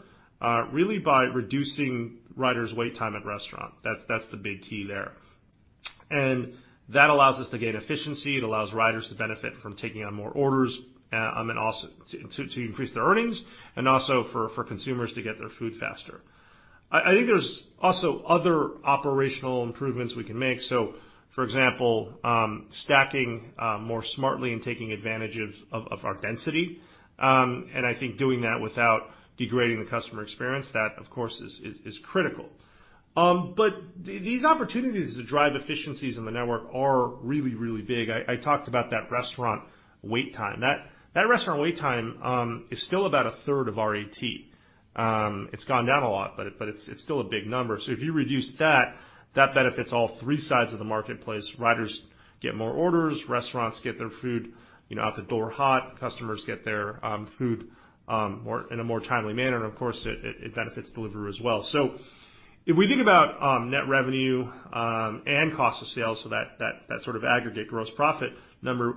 really by reducing riders' wait time at restaurant. That's the big key there. That allows us to gain efficiency. It allows riders to benefit from taking on more orders, and also to increase their earnings and also for consumers to get their food faster. I think there's also other operational improvements we can make. For example, stacking more smartly and taking advantage of our density. I think doing that without degrading the customer experience, that of course is critical. These opportunities to drive efficiencies in the network are really big. I talked about that restaurant wait time. That restaurant wait time is still about a third of our AT. It's gone down a lot, but it's still a big number. If you reduce that benefits all three sides of the marketplace. Riders get more orders, restaurants get their food, you know, out the door hot, customers get their food in a more timely manner, and of course, it benefits Deliveroo as well. If we think about net revenue and cost of sales, that sort of aggregate gross profit number,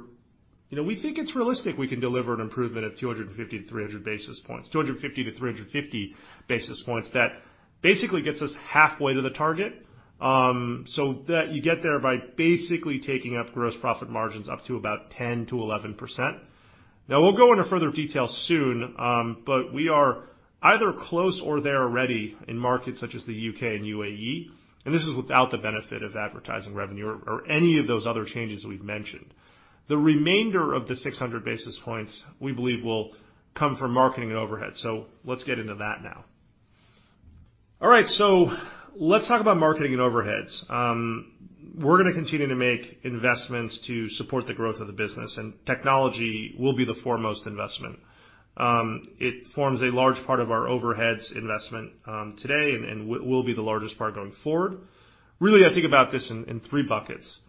you know, we think it's realistic we can deliver an improvement of 250-300 basis points, 250-350 basis points. That basically gets us halfway to the target. That you get there by basically taking gross profit margins up to about 10%-11%. We'll go into further detail soon, but we are either close or there already in markets such as the U.K. and UAE, and this is without the benefit of advertising revenue or any of those other changes we've mentioned. The remainder of the 600 basis points we believe will come from marketing and overhead. Let's get into that now. All right, let's talk about marketing and overheads. We're gonna continue to make investments to support the growth of the business, and technology will be the foremost investment. It forms a large part of our overheads investment today and will be the largest part going forward. Really, I think about this in three buckets.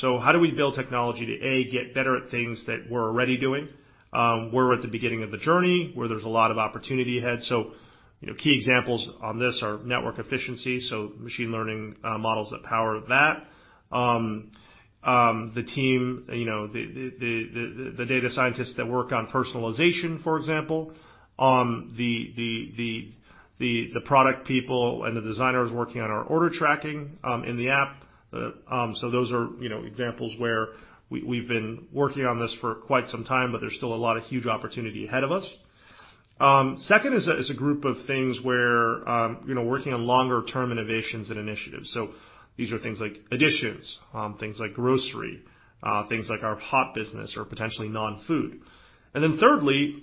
How do we build technology to A, get better at things that we're already doing, where we're at the beginning of the journey, where there's a lot of opportunity ahead? You know, key examples on this are network efficiency, so machine learning models that power that. The team, you know, the data scientists that work on personalization, for example, the product people and the designers working on our order tracking in the app. Those are, you know, examples where we've been working on this for quite some time, but there's still a lot of huge opportunity ahead of us. Second is a group of things where, you know, working on longer term innovations and initiatives. These are things like Editions, things like grocery, things like our HOP business or potentially non-food. Thirdly,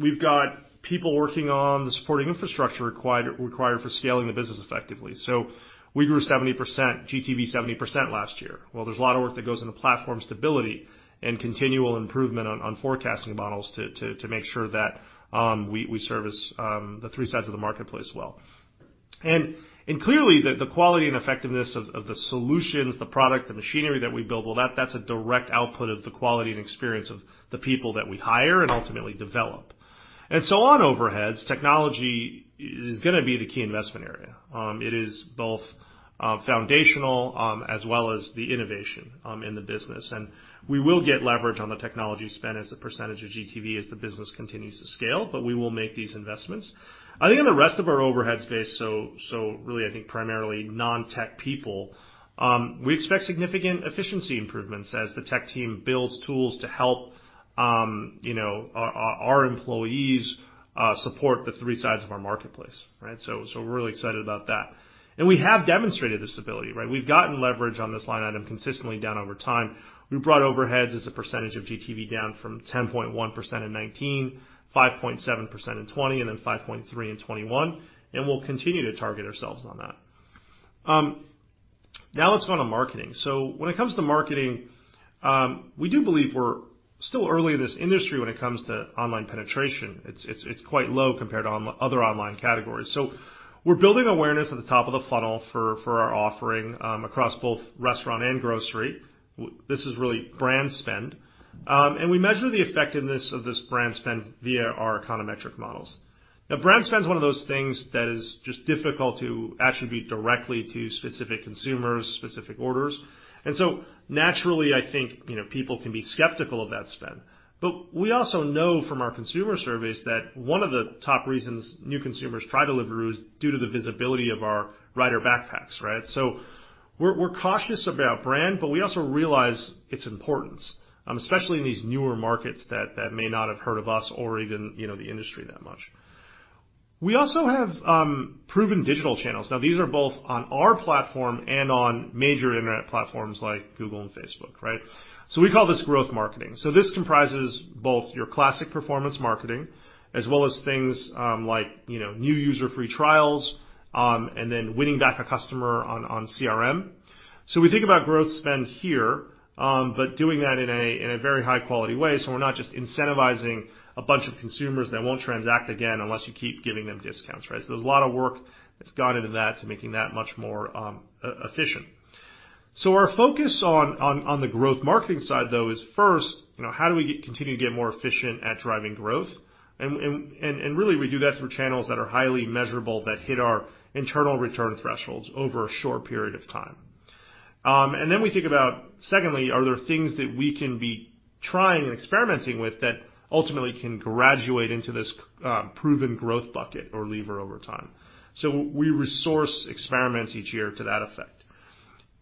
we've got people working on the supporting infrastructure required for scaling the business effectively. We grew 70%, GTV 70% last year. Well, there's a lot of work that goes into platform stability and continual improvement on forecasting models to make sure that we service the three sides of the marketplace well. Clearly, the quality and effectiveness of the solutions, the product, the machinery that we build, well, that's a direct output of the quality and experience of the people that we hire and ultimately develop. On overheads, technology is gonna be the key investment area. It is both foundational as well as the innovation in the business. We will get leverage on the technology spend as a percentage of GTV as the business continues to scale, but we will make these investments. I think in the rest of our overhead space, really I think primarily non-tech people, we expect significant efficiency improvements as the tech team builds tools to help, you know, our employees support the three sides of our marketplace, right? We're really excited about that. We have demonstrated this ability, right? We've gotten leverage on this line item consistently down over time. We brought overheads as a percentage of GTV down from 10.1% in 2019, 5.7% in 2020, and then 5.3% in 2021, and we'll continue to target ourselves on that. Now let's go on to marketing. When it comes to marketing, we do believe we're still early in this industry when it comes to online penetration. It's quite low compared to other online categories. We're building awareness at the top of the funnel for our offering across both restaurant and grocery. This is really brand spend. We measure the effectiveness of this brand spend via our econometric models. Now, brand spend's one of those things that is just difficult to attribute directly to specific consumers, specific orders. Naturally, I think, you know, people can be skeptical of that spend. We also know from our consumer surveys that one of the top reasons new consumers try Deliveroo is due to the visibility of our rider backpacks, right? We're cautious about brand, but we also realize its importance, especially in these newer markets that may not have heard of us or even, you know, the industry that much. We also have proven digital channels. Now these are both on our platform and on major internet platforms like Google and Facebook, right? We call this growth marketing. This comprises both your classic performance marketing as well as things, like, you know, new user free trials, and then winning back a customer on CRM. We think about growth spend here, but doing that in a high-quality way, so we're not just incentivizing a bunch of consumers that won't transact again unless you keep giving them discounts, right? There's a lot of work that's gone into that to making that much more efficient. Our focus on the growth marketing side, though, is first, you know, how do we continue to get more efficient at driving growth and really we do that through channels that are highly measurable that hit our internal return thresholds over a short period of time. We think about, secondly, are there things that we can be trying and experimenting with that ultimately can graduate into this proven growth bucket or lever over time. We resource experiments each year to that effect.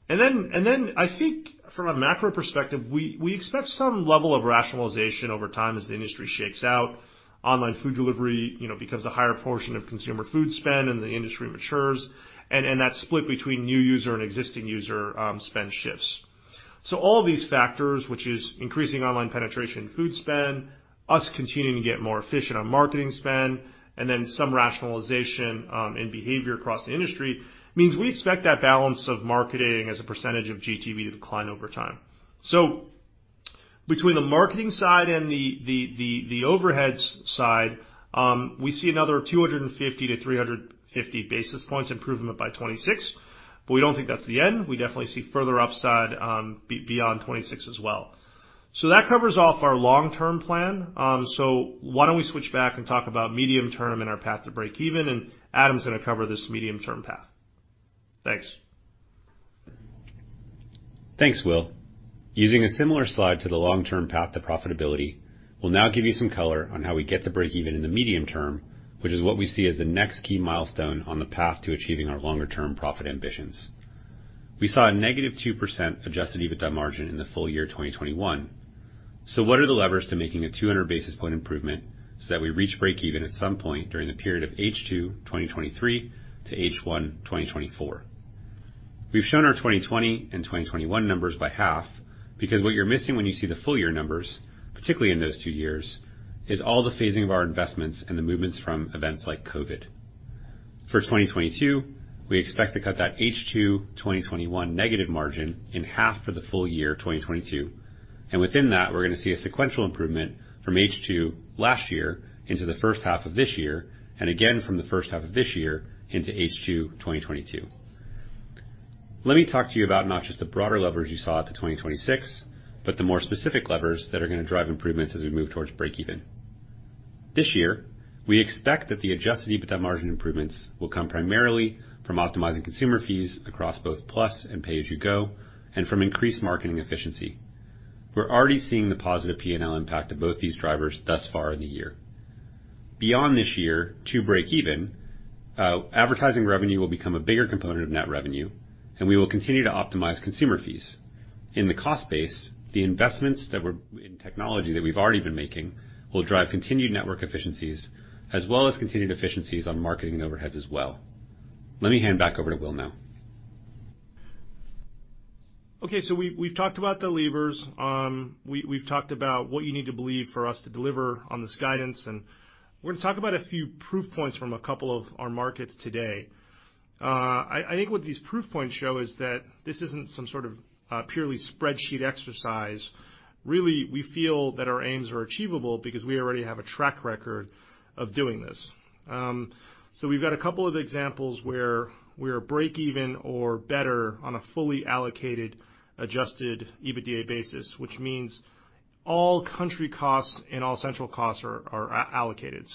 I think from a macro perspective, we expect some level of rationalization over time as the industry shakes out, online food delivery, you know, becomes a higher portion of consumer food spend and the industry matures, and that split between new user and existing user spend shifts. All of these factors, which is increasing online penetration in food spend, us continuing to get more efficient on marketing spend, and then some rationalization in behavior across the industry, means we expect that balance of marketing as a percentage of GTV to decline over time. Between the marketing side and the overheads side, we see another 250-350 basis points improvement by 2026, but we don't think that's the end. We definitely see further upside beyond 2026 as well. That covers off our long-term plan. Why don't we switch back and talk about medium term and our path to breakeven, and Adam's gonna cover this medium-term path. Thanks. Thanks, Will. Using a similar slide to the long-term path to profitability, we'll now give you some color on how we get to breakeven in the medium term, which is what we see as the next key milestone on the path to achieving our longer term profit ambitions. We saw a negative 2% adjusted EBITDA margin in the full year 2021. What are the levers to making a 200 basis point improvement so that we reach breakeven at some point during the period of H2 2023 to H1 2024? We've shown our 2020 and 2021 numbers by half because what you're missing when you see the full year numbers, particularly in those two years, is all the phasing of our investments and the movements from events like COVID. For 2022, we expect to cut that H2 2021 negative margin in half for the full year 2022, and within that, we're gonna see a sequential improvement from H2 last year into the first half of this year, and again from the first half of this year into H2 2022. Let me talk to you about not just the broader levers you saw to 2026, but the more specific levers that are gonna drive improvements as we move towards breakeven. This year, we expect that the adjusted EBITDA margin improvements will come primarily from optimizing consumer fees across both Plus and Pay As You Go, and from increased marketing efficiency. We're already seeing the positive P&L impact of both these drivers thus far in the year. Beyond this year, to breakeven, advertising revenue will become a bigger component of net revenue, and we will continue to optimize consumer fees. In the cost base, the investments that we're in technology that we've already been making will drive continued network efficiencies as well as continued efficiencies on marketing overheads as well. Let me hand back over to Will now. Okay, we've talked about the levers. We've talked about what you need to believe for us to deliver on this guidance, and we're gonna talk about a few proof points from a couple of our markets today. I think what these proof points show is that this isn't some sort of purely spreadsheet exercise. Really, we feel that our aims are achievable because we already have a track record of doing this. We've got a couple of examples where we're breakeven or better on a fully allocated adjusted EBITDA basis, which means all country costs and all central costs are allocated.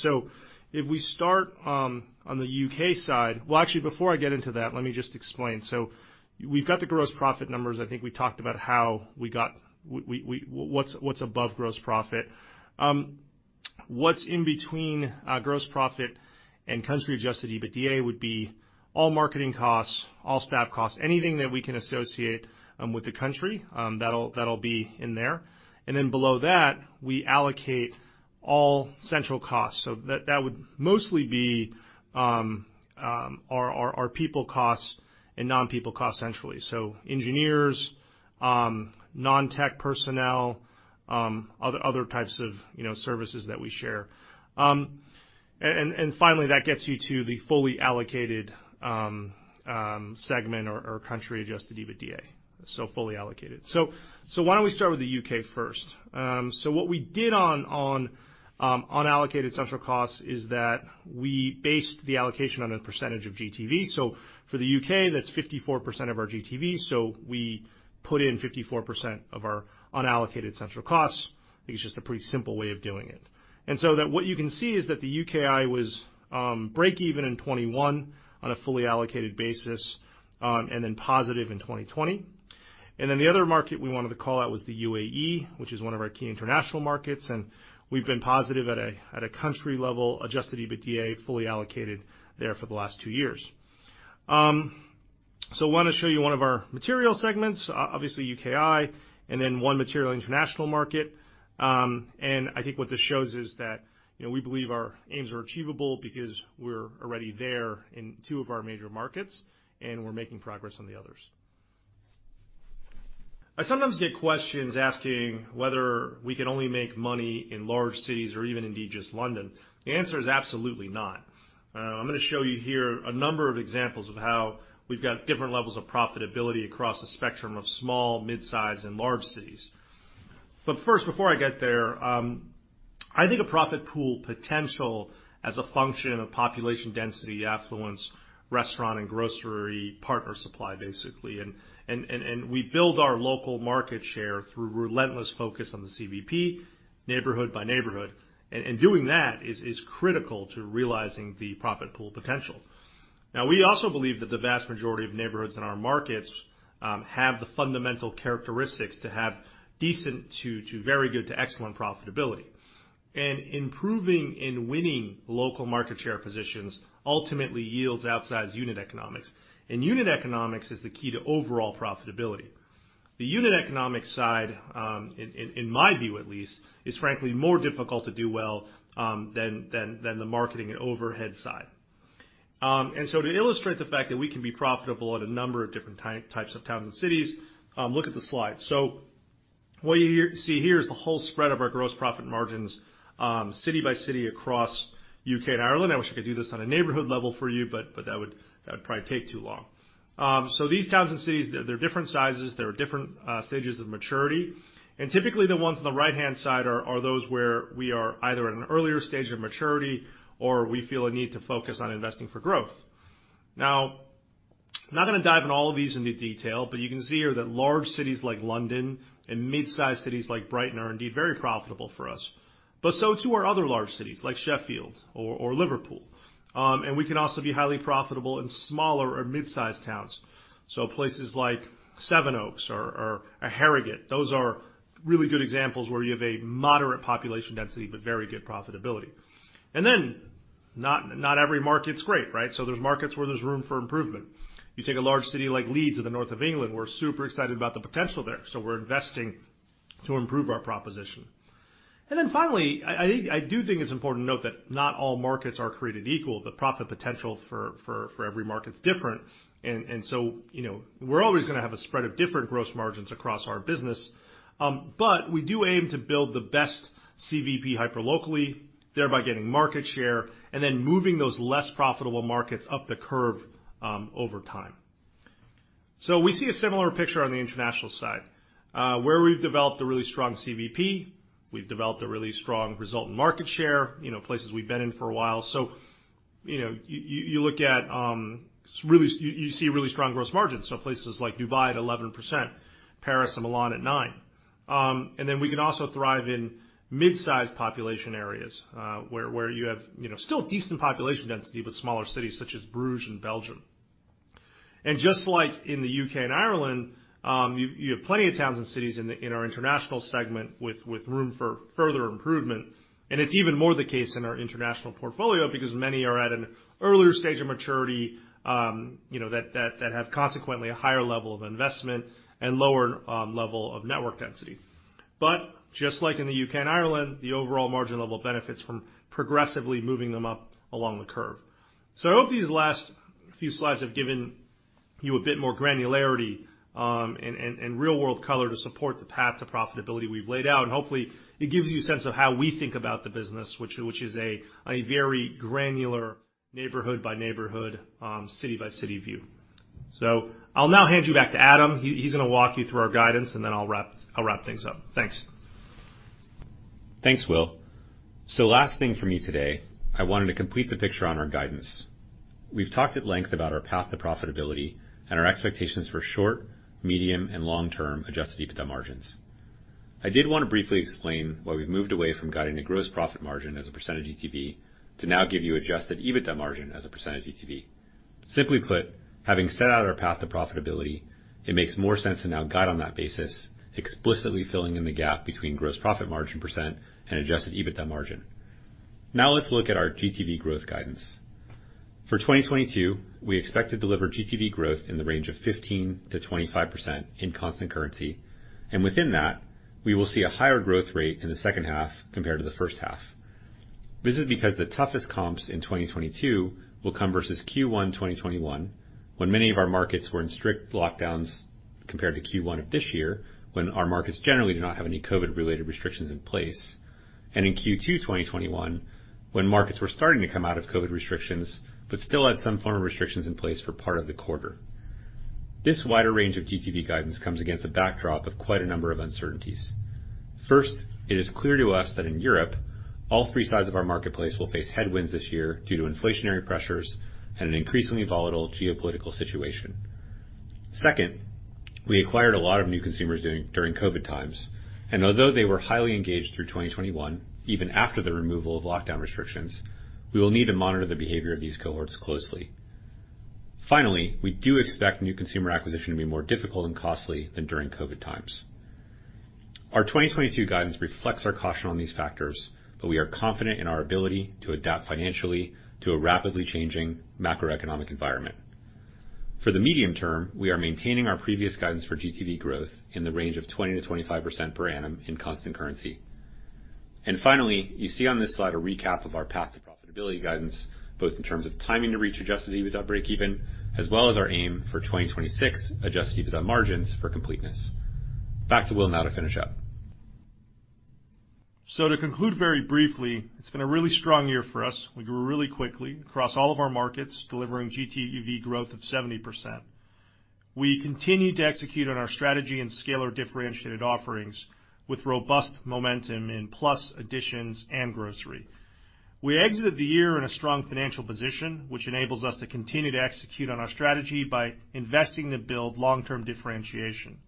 If we start on the U.K. side. Well, actually before I get into that, let me just explain. We've got the gross profit numbers. I think we talked about what's above gross profit. What's in between gross profit and country-adjusted EBITDA would be all marketing costs, all staff costs, anything that we can associate with the country, that'll be in there. Then below that, we allocate all central costs. That would mostly be our people costs and non-people costs centrally. Engineers, non-tech personnel, other types of, you know, services that we share. And finally, that gets you to the fully allocated segment or country-adjusted EBITDA, fully allocated. Why don't we start with the U.K. first? What we did on unallocated central costs is that we based the allocation on a percentage of GTV. For the U.K, that's 54% of our GTV. We put in 54% of our unallocated central costs. I think it's just a pretty simple way of doing it. What you can see is that the UKI was break even in 2021 on a fully allocated basis, and then positive in 2020. The other market we wanted to call out was the UAE, which is one of our key international markets, and we've been positive at a country level, adjusted EBITDA, fully allocated there for the last two years. Wanna show you one of our material segments, obviously UKI and then one material international market. I think what this shows is that, you know, we believe our aims are achievable because we're already there in two of our major markets, and we're making progress on the others. I sometimes get questions asking whether we can only make money in large cities or even indeed just London. The answer is absolutely not. I'm gonna show you here a number of examples of how we've got different levels of profitability across a spectrum of small, midsize, and large cities. First, before I get there, I think of profit pool potential as a function of population density, affluence, restaurant and grocery partner supply, basically. We build our local market share through relentless focus on the CVP, neighborhood by neighborhood. Doing that is critical to realizing the profit pool potential. Now, we also believe that the vast majority of neighborhoods in our markets have the fundamental characteristics to have decent to very good to excellent profitability. Improving and winning local market share positions ultimately yields outsized unit economics. Unit economics is the key to overall profitability. The unit economics side, in my view at least, is frankly more difficult to do well than the marketing and overhead side. To illustrate the fact that we can be profitable at a number of different types of towns and cities, look at the slide. What you see here is the whole spread of our gross profit margins, city by city across U.K. and Ireland. I wish I could do this on a neighborhood level for you, but that would probably take too long. These towns and cities, they're different sizes. There are different stages of maturity. Typically, the ones on the right-hand side are those where we are either at an earlier stage of maturity or we feel a need to focus on investing for growth. Now, I'm not gonna dive in all of these into detail, but you can see here that large cities like London and midsize cities like Brighton are indeed very profitable for us. So too are other large cities like Sheffield or Liverpool. We can also be highly profitable in smaller or midsize towns. Places like Sevenoaks or Harrogate, those are really good examples where you have a moderate population density but very good profitability. Not every market's great, right? There's markets where there's room for improvement. You take a large city like Leeds in the north of England. We're super excited about the potential there, so we're investing to improve our proposition. Finally, I do think it's important to note that not all markets are created equal. The profit potential for every market's different. You know, we're always gonna have a spread of different gross margins across our business. But we do aim to build the best CVP hyperlocally, thereby getting market share, and then moving those less profitable markets up the curve over time. We see a similar picture on the international side where we've developed a really strong CVP, we've developed a really strong result in market share, you know, places we've been in for a while. You know, you see really strong gross margins, so places like Dubai at 11%, Paris and Milan at 9%. We can also thrive in midsize population areas, where you have, you know, still decent population density, but smaller cities such as Bruges in Belgium. Just like in the U.K. and Ireland, you have plenty of towns and cities in our international segment with room for further improvement. It's even more the case in our international portfolio because many are at an earlier stage of maturity, you know, that have consequently a higher level of investment and lower level of network density. Just like in the U.K. and Ireland, the overall margin level benefits from progressively moving them up along the curve. I hope these last few slides have given you a bit more granularity, and real-world color to support the path to profitability we've laid out. Hopefully, it gives you a sense of how we think about the business, which is a very granular neighborhood by neighborhood, city by city view. I'll now hand you back to Adam. He is gonna walk you through our guidance, and then I'll wrap things up. Thanks. Thanks, Will. Last thing for me today, I wanted to complete the picture on our guidance. We've talked at length about our path to profitability and our expectations for short, medium, and long-term adjusted EBITDA margins. I did wanna briefly explain why we've moved away from guiding the gross profit margin as a percentage GTV to now give you adjusted EBITDA margin as a percentage GTV. Simply put, having set out our path to profitability, it makes more sense to now guide on that basis, explicitly filling in the gap between gross profit margin % and adjusted EBITDA margin. Now let's look at our GTV growth guidance. For 2022, we expect to deliver GTV growth in the range of 15%-25% in constant currency. Within that, we will see a higher growth rate in the second half compared to the first half. This is because the toughest comps in 2022 will come versus Q1 2021, when many of our markets were in strict lockdowns compared to Q1 of this year when our markets generally do not have any COVID-related restrictions in place. In Q2 2021, when markets were starting to come out of COVID restrictions, but still had some form of restrictions in place for part of the quarter. This wider range of GTV guidance comes against a backdrop of quite a number of uncertainties. First, it is clear to us that in Europe, all three sides of our marketplace will face headwinds this year due to inflationary pressures and an increasingly volatile geopolitical situation. Second, we acquired a lot of new consumers during COVID times, and although they were highly engaged through 2021, even after the removal of lockdown restrictions, we will need to monitor the behavior of these cohorts closely. Finally, we do expect new consumer acquisition to be more difficult and costly than during COVID times. Our 2022 guidance reflects our caution on these factors, but we are confident in our ability to adapt financially to a rapidly changing macroeconomic environment. For the medium term, we are maintaining our previous guidance for GTV growth in the range of 20%-25% per annum in constant currency. Finally, you see on this slide a recap of our path to profitability guidance, both in terms of timing to reach adjusted EBITDA breakeven, as well as our aim for 2026 adjusted EBITDA margins for completeness. Back to Will now to finish up. To conclude very briefly, it's been a really strong year for us. We grew really quickly across all of our markets, delivering GTV growth of 70%. We continued to execute on our strategy and scale our differentiated offerings with robust momentum in Plus additions and grocery. We exited the year in a strong financial position, which enables us to continue to execute on our strategy by investing to build long-term differentiation.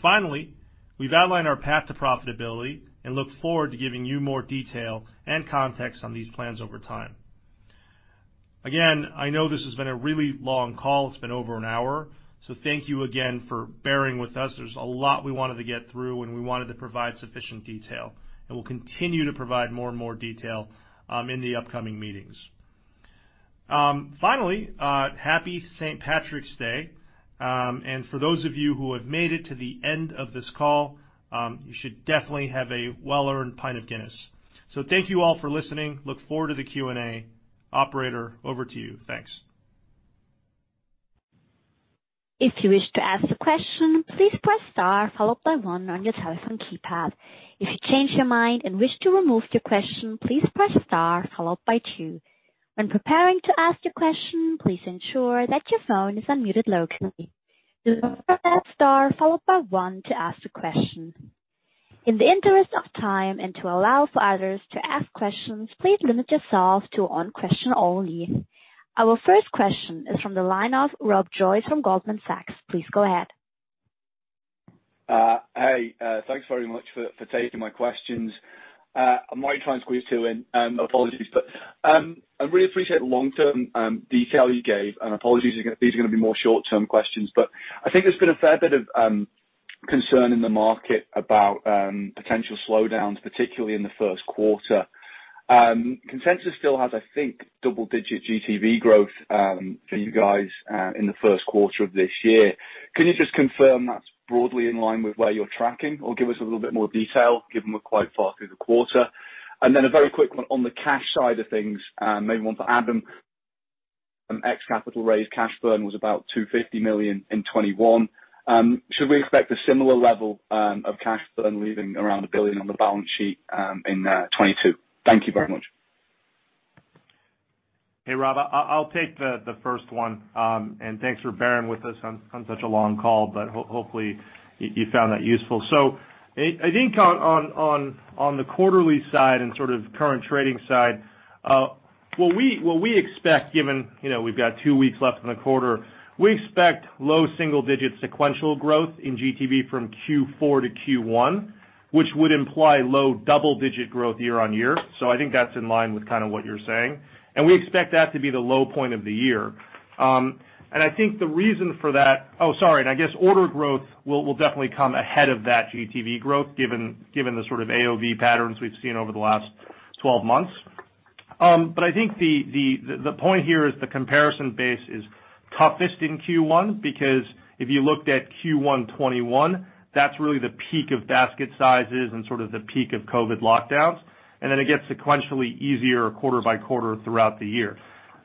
Finally, we've outlined our path to profitability and look forward to giving you more detail and context on these plans over time. Again, I know this has been a really long call. It's been over an hour, so thank you again for bearing with us. There's a lot we wanted to get through, and we wanted to provide sufficient detail, and we'll continue to provide more and more detail in the upcoming meetings. Finally, Happy St. Patrick's Day. For those of you who have made it to the end of this call, you should definitely have a well-earned pint of Guinness. Thank you all for listening. I look forward to the Q&A. Operator, over to you. Thanks. If you wish to ask a question, please press star followed by one on your telephone keypad. If you change your mind and wish to remove the question, please press star followed by two. When preparing to ask the question, please ensure that your phone is unmuted locally. To request star followed by one to ask a question. In the interest of time and to allow for others to ask questions, please limit yourself to one question only. Our first question is from the line of Rob Joyce from Goldman Sachs. Please go ahead. Hey, thanks very much for taking my questions. I might try and squeeze two in, apologies. I really appreciate the long-term detail you gave and apologies again. These are gonna be more short-term questions. I think there's been a fair bit of concern in the market about potential slowdowns, particularly in the first quarter. Consensus still has, I think, double-digit GTV growth for you guys in the first quarter of this year. Can you just confirm that's broadly in line with where you're tracking, or give us a little bit more detail or give us a color on how far through the quarter? A very quick one on the cash side of things, maybe one for Adam. Ex-capital raise cash burn was about 250 million in 2021. Should we expect a similar level of cash burn leaving around 1 billion on the balance sheet in 2022? Thank you very much. Hey, Rob. I'll take the first one, and thanks for bearing with us on such a long call, but hopefully you found that useful. I think on the quarterly side and sort of current trading side, what we expect given, you know, we've got two weeks left in the quarter, we expect low single-digit sequential growth in GTV from Q4 to Q1, which would imply low double-digit growth year-on-year. I think that's in line with kind of what you're saying. We expect that to be the low point of the year. I think the reason for that. Oh, sorry, I guess order growth will definitely come ahead of that GTV growth given the sort of AOV patterns we've seen over the last 12 months. I think the point here is the comparison base is toughest in Q1, because if you looked at Q1 2021, that's really the peak of basket sizes and sort of the peak of COVID lockdowns, and then it gets sequentially easier quarter by quarter throughout the year.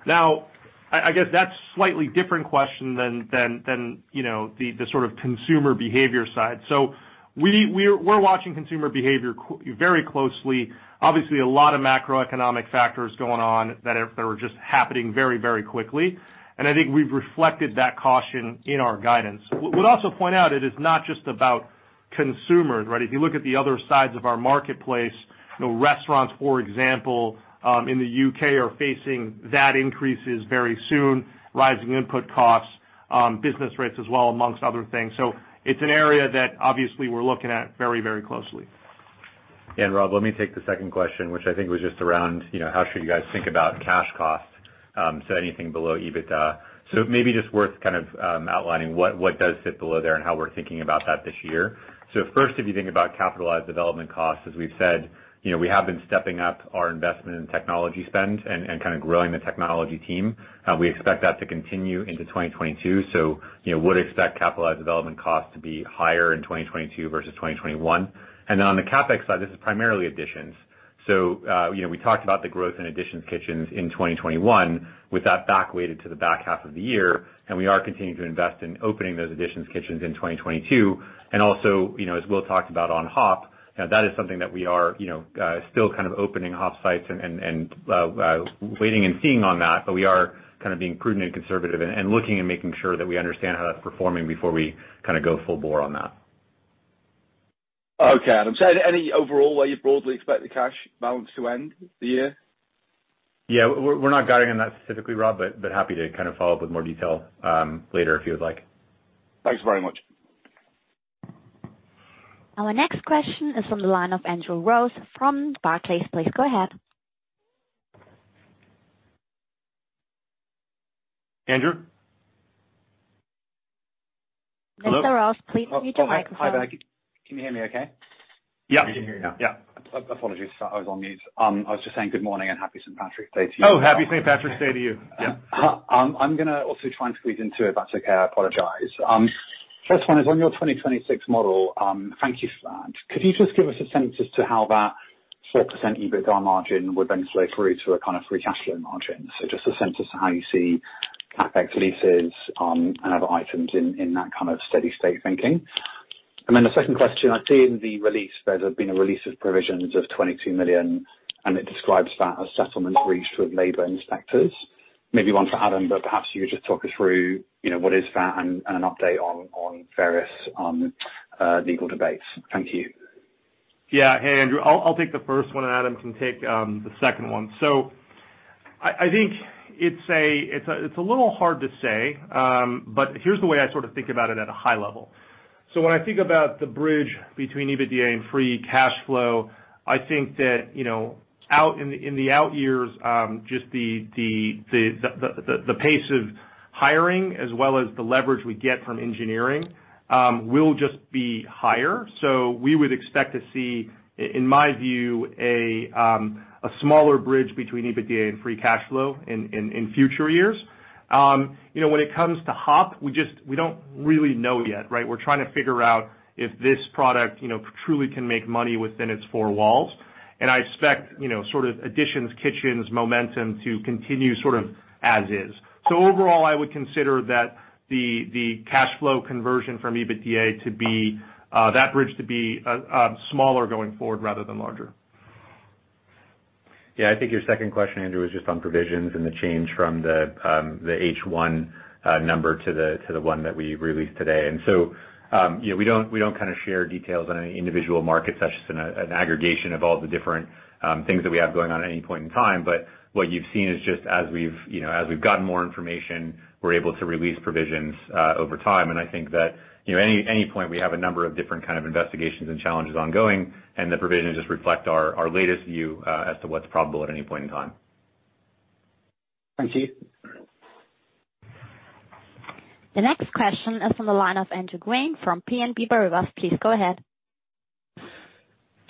Now, I guess that's slightly different question than you know the sort of consumer behavior side. We're watching consumer behavior very closely. Obviously, a lot of macroeconomic factors going on that are just happening very, very quickly, and I think we've reflected that caution in our guidance. We'd also point out it is not just about consumer, right? If you look at the other sides of our marketplace, you know, restaurants, for example, in the U.K. are facing that increase very soon, rising input costs, business rates as well, among other things. It's an area that obviously we're looking at very, very closely. Rob, let me take the second question, which I think was just around, you know, how should you guys think about cash costs, anything below EBITDA. It may be just worth kind of outlining what does fit below there and how we're thinking about that this year. First, if you think about capitalized development costs, as we've said, you know, we have been stepping up our investment in technology spend and kind of growing the technology team. We expect that to continue into 2022, so, you know, would expect capitalized development costs to be higher in 2022 versus 2021. Then on the CapEx side, this is primarily Editions. You know, we talked about the growth in Editions kitchens in 2021, with that back-weighted to the back half of the year, and we are continuing to invest in opening those Editions kitchens in 2022. also, you know, as Will talked about on HOP, that is something that we are, you know, still kind of opening HOP sites and waiting and seeing on that. But we are kind of being prudent and conservative and looking and making sure that we understand how that's performing before we kinda go full bore on that. Okay. Any overall way you broadly expect the cash balance to end the year? Yeah. We're not guiding on that specifically, Rob, but happy to kind of follow up with more detail, later if you would like. Thanks very much. Our next question is from the line of Andrew Ross from Barclays. Please go ahead. Andrew? Mr. Ross, please mute your microphone. Hi there. Can you hear me okay? Yeah. We can hear you now. Yeah. Apologies. I was on mute. I was just saying good morning and happy St. Patrick's Day to you. Oh, happy St. Patrick's Day to you. Yeah. I'm gonna also try and squeeze in two, if that's okay. I apologize. First one is on your 2026 model. Thank you for that. Could you just give us a sense as to how that 4% EBITDA margin would then flow through to a kinda free cash flow margin? So just a sense as to how you see CapEx leases and other items in that kind of steady state thinking. Then the second question. I see in the release there's been a release of provisions of 22 million, and it describes that as settlements reached with labor inspectors. Maybe one for Adam, but perhaps you would just talk us through, you know, what is that and an update on various legal debates. Thank you. Yeah. Hey, Andrew. I'll take the first one, and Adam can take the second one. I think it's a little hard to say, but here's the way I sort of think about it at a high level. When I think about the bridge between EBITDA and free cash flow, I think that, you know, out in the out years, just the pace of hiring as well as the leverage we get from engineering will just be higher. We would expect to see in my view a smaller bridge between EBITDA and free cash flow in future years. You know, when it comes to HOP, we just don't really know yet, right? We're trying to figure out if this product, you know, truly can make money within its four walls. I expect, you know, sort of Editions kitchens momentum to continue sort of as is. Overall, I would consider that the cash flow conversion from EBITDA to be that bridge to be smaller going forward rather than larger. Yeah. I think your second question, Andrew, was just on provisions and the change from the H1 number to the one that we released today. You know, we don't kinda share details on any individual market. That's just an aggregation of all the different things that we have going on at any point in time. What you've seen is just as we've gotten more information, we're able to release provisions over time. I think that at any point we have a number of different kind of investigations and challenges ongoing, and the provisions just reflect our latest view as to what's probable at any point in time. Thank you. The next question is from the line of Andrew Sheridan from BNP Paribas. Please go ahead.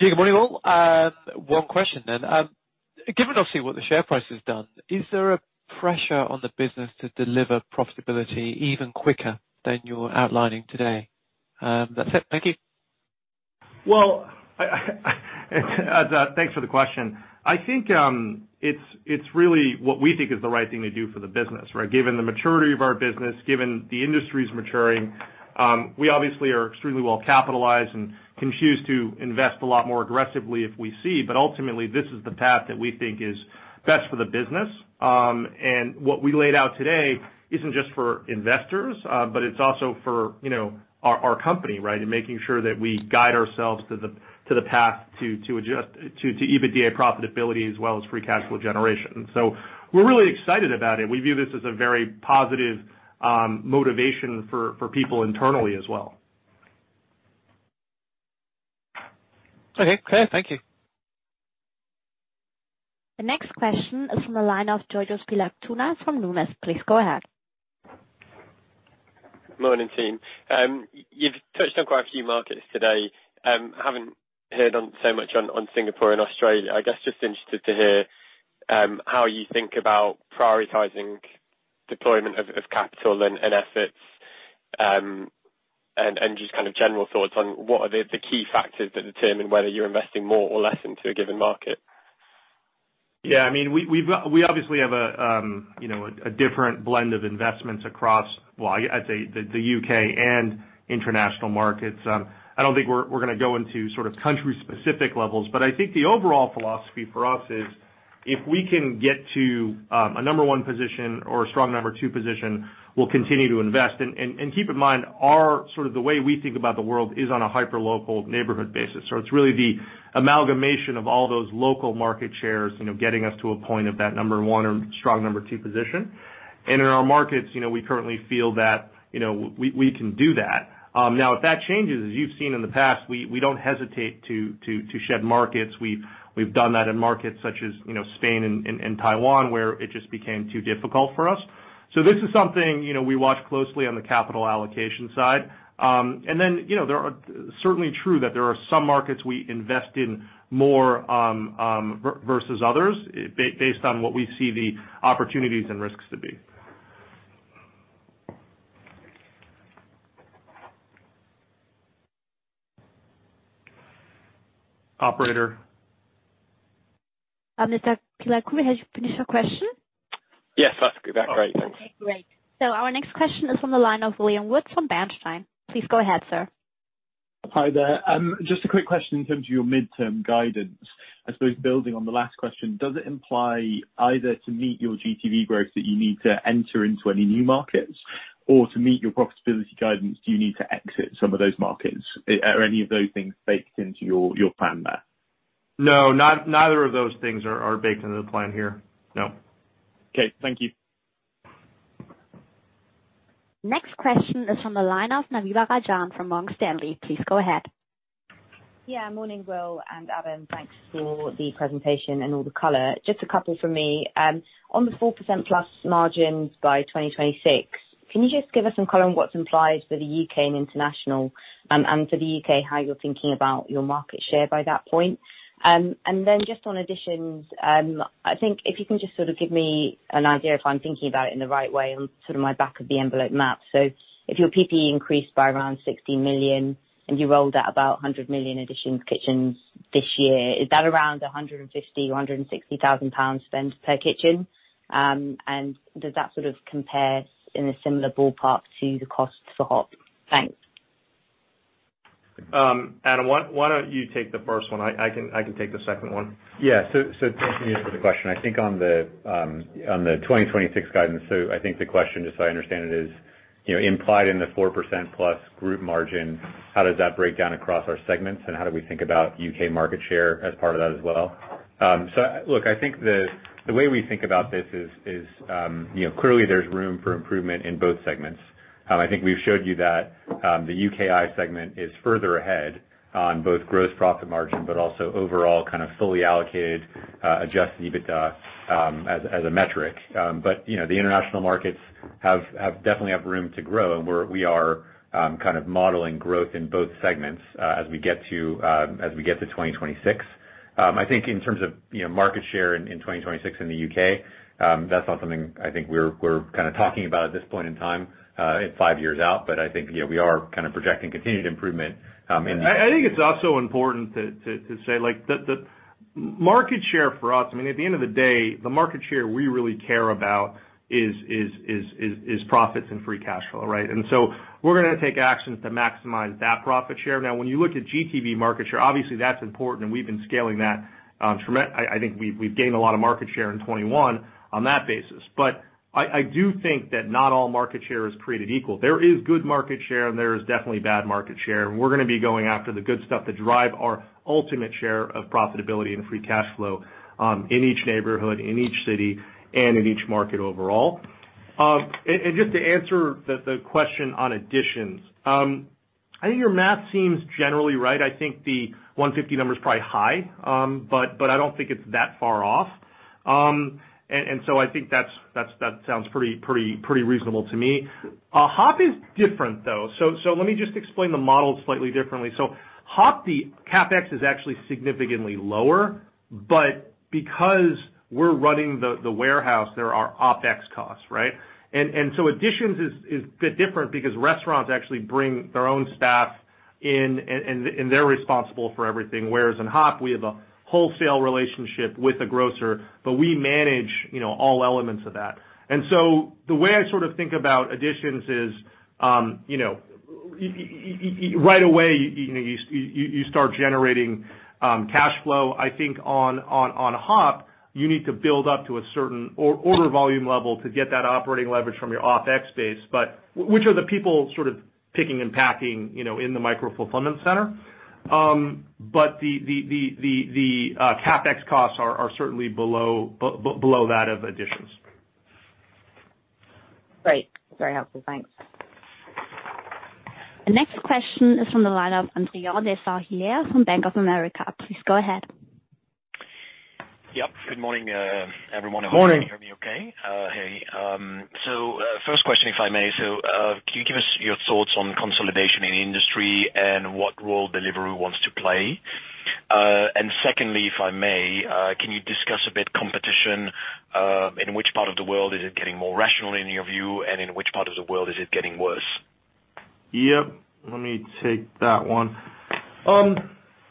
Yeah, good morning, all. One question then. Given obviously what the share price has done, is there a pressure on the business to deliver profitability even quicker than you're outlining today? That's it. Thank you. Well, thanks for the question. I think, it's really what we think is the right thing to do for the business, right? Given the maturity of our business, given the industry's maturing, we obviously are extremely well capitalized and can choose to invest a lot more aggressively if we see. Ultimately, this is the path that we think is best for the business. What we laid out today isn't just for investors, but it's also for, you know, our company, right? In making sure that we guide ourselves to the path to EBITDA profitability as well as free cash flow generation. We're really excited about it. We view this as a very positive motivation for people internally as well. Okay, thank you. The next question is from the line of Giles Thorne from Numis. Please go ahead. Morning, team. You've touched on quite a few markets today. Haven't heard so much on Singapore and Australia. I guess just interested to hear how you think about prioritizing deployment of capital and efforts, and just kind of general thoughts on what are the key factors that determine whether you're investing more or less into a given market. Yeah, I mean, we obviously have a you know, a different blend of investments across, well, I'd say the U.K. and international markets. I don't think we're gonna go into sort of country-specific levels, but I think the overall philosophy for us is if we can get to a number one position or a strong number two position, we'll continue to invest. Keep in mind, our sort of the way we think about the world is on a hyperlocal neighborhood basis. It's really the amalgamation of all those local market shares, you know, getting us to a point of that number one or strong number two position. In our markets, you know, we currently feel that, you know, we can do that. Now, if that changes, as you've seen in the past, we don't hesitate to shed markets. We've done that in markets such as, you know, Spain and Taiwan, where it just became too difficult for us. This is something, you know, we watch closely on the capital allocation side. Then, you know, certainly true that there are some markets we invest in more versus others based on what we see the opportunities and risks to be. Operator? Mr. Thorne, have you finished your question? Yes, that's about right. Thanks. Okay, great. Our next question is from the line of William Woods from Bernstein. Please go ahead, sir. Hi there. Just a quick question in terms of your midterm guidance. I suppose building on the last question, does it imply either to meet your GTV growth that you need to enter into any new markets? Or to meet your profitability guidance, do you need to exit some of those markets? Are any of those things baked into your plan there? No, neither of those things are baked into the plan here. No. Okay, thank you. Next question is from the line of Navina Rajan from Morgan Stanley. Please go ahead. Yeah. Morning, Will and Adam. Thanks for the presentation and all the color. Just a couple from me. On the 4%+ margins by 2026, can you just give us some color on what's implied for the U.K. and international, and for the U.K., how you're thinking about your market share by that point? And then just on Editions, I think if you can just sort of give me an idea if I'm thinking about it in the right way on sort of my back-of-the-envelope math. If your PPE increased by around 60 million, and you rolled out about 100 million Editions kitchens this year, is that around 150 thousand-160 thousand pounds spend per kitchen? And does that sort of compare in a similar ballpark to the cost for HOP? Thanks. Adam, why don't you take the first one? I can take the second one. Thank you for the question. I think on the 2026 guidance. I think the question, just so I understand it, is, you know, implied in the 4%+ group margin, how does that break down across our segments, and how do we think about U.K. market share as part of that as well? Look, I think the way we think about this is, you know, clearly there's room for improvement in both segments. I think we've showed you that the UKI segment is further ahead on both gross profit margin, but also overall kind of fully allocated adjusted EBITDA as a metric. The international markets definitely have room to grow, and we are kind of modeling growth in both segments as we get to 2026. I think in terms of, you know, market share in 2026 in the U.K., that's not something I think we're kinda talking about at this point in time. It's five years out. I think, you know, we are kind of projecting continued improvement in the I think it's also important to say like the market share for us. I mean, at the end of the day, the market share we really care about is profits and free cash flow, right? We're gonna take actions to maximize that profit share. Now, when you look at GTV market share, obviously that's important and we've been scaling that. I think we've gained a lot of market share in 2021 on that basis. I do think that not all market share is created equal. There is good market share, and there is definitely bad market share. We're gonna be going after the good stuff to drive our ultimate share of profitability and free cash flow in each neighborhood, in each city, and in each market overall. Just to answer the question on Editions, I think your math seems generally right. I think the 150 number is probably high, but I don't think it's that far off. I think that sounds pretty reasonable to me. HOP is different, though. Let me just explain the model slightly differently. HOP, the CapEx is actually significantly lower, but because we're running the warehouse, there are OpEx costs, right? Editions is a bit different because restaurants actually bring their own staff in and they're responsible for everything. Whereas in HOP, we have a wholesale relationship with the grocer, but we manage, you know, all elements of that. The way I sort of think about Editions is, you know, you right away, you know, you start generating cash flow. I think on HOP, you need to build up to a certain order volume level to get that operating leverage from your OpEx base, with the people sort of picking and packing, you know, in the micro-fulfillment center. The CapEx costs are certainly below that of Editions. Great. Very helpful. Thanks. The next question is from the line of Andre Juillard from Bank of America. Please go ahead. Yep. Good morning, everyone. Morning. I hope you can hear me okay. First question, if I may. Can you give us your thoughts on consolidation in the industry and what role Deliveroo wants to play? Secondly, if I may, can you discuss a bit competition in which part of the world is it getting more rational in your view, and in which part of the world is it getting worse? Yep. Let me take that one.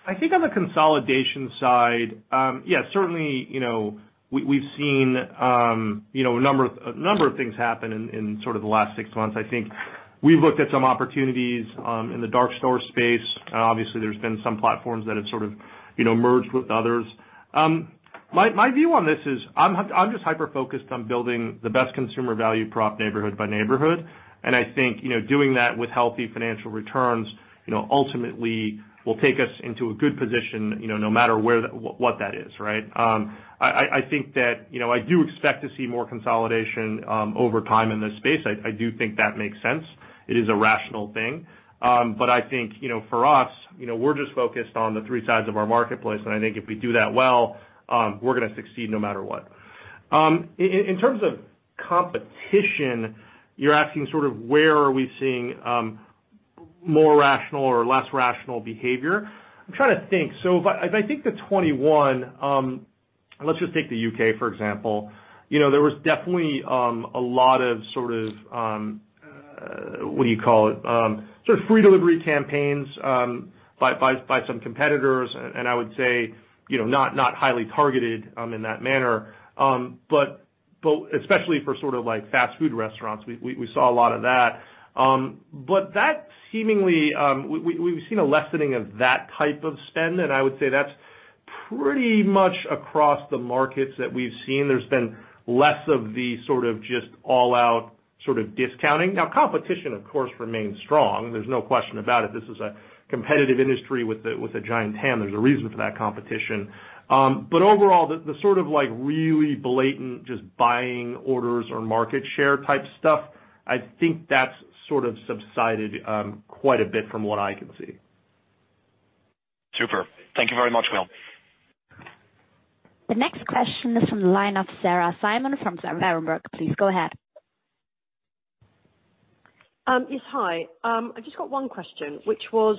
I think on the consolidation side, yeah, certainly, you know, we've seen, you know, a number of things happen in sort of the last six months, I think. We've looked at some opportunities in the dark store space. Obviously, there's been some platforms that have sort of, you know, merged with others. My view on this is I'm just hyper-focused on building the best consumer value prop neighborhood by neighborhood. I think, you know, doing that with healthy financial returns, you know, ultimately will take us into a good position, you know, no matter where what that is, right? I think that, you know, I do expect to see more consolidation over time in this space. I do think that makes sense. It is a rational thing. I think, you know, for us, you know, we're just focused on the three sides of our marketplace, and I think if we do that well, we're gonna succeed no matter what. In terms of competition, you're asking sort of where are we seeing more rational or less rational behavior. I'm trying to think. If I think to 2021, let's just take the U.K., for example. You know, there was definitely a lot of sort of what do you call it? Sort of free delivery campaigns by some competitors. I would say, you know, not highly targeted in that manner. Especially for sort of like fast food restaurants, we saw a lot of that. That seemingly, we've seen a lessening of that type of spend, and I would say that's pretty much across the markets that we've seen. There's been less of the sort of just all out sort of discounting. Now, competition, of course, remains strong. There's no question about it. This is a competitive industry with a giant TAM. There's a reason for that competition. Overall, the sort of, like, really blatant just buying orders or market share type stuff, I think that's sort of subsided quite a bit from what I can see. Super. Thank you very much, Will. The next question is from the line of Sarah Simon from Berenberg. Please go ahead. Yes, hi. I've just got one question, which was,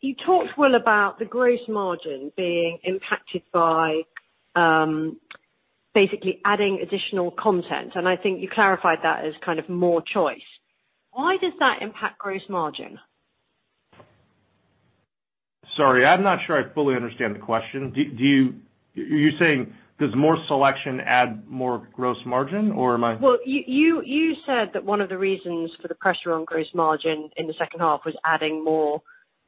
you talked, Will, about the gross margin being impacted by, basically adding additional content, and I think you clarified that as kind of more choice. Why does that impact gross margin? Sorry, I'm not sure I fully understand the question. Do you? Are you saying does more selection add more gross margin, or am I? Well, you said that one of the reasons for the pressure on gross margin in the second half was adding more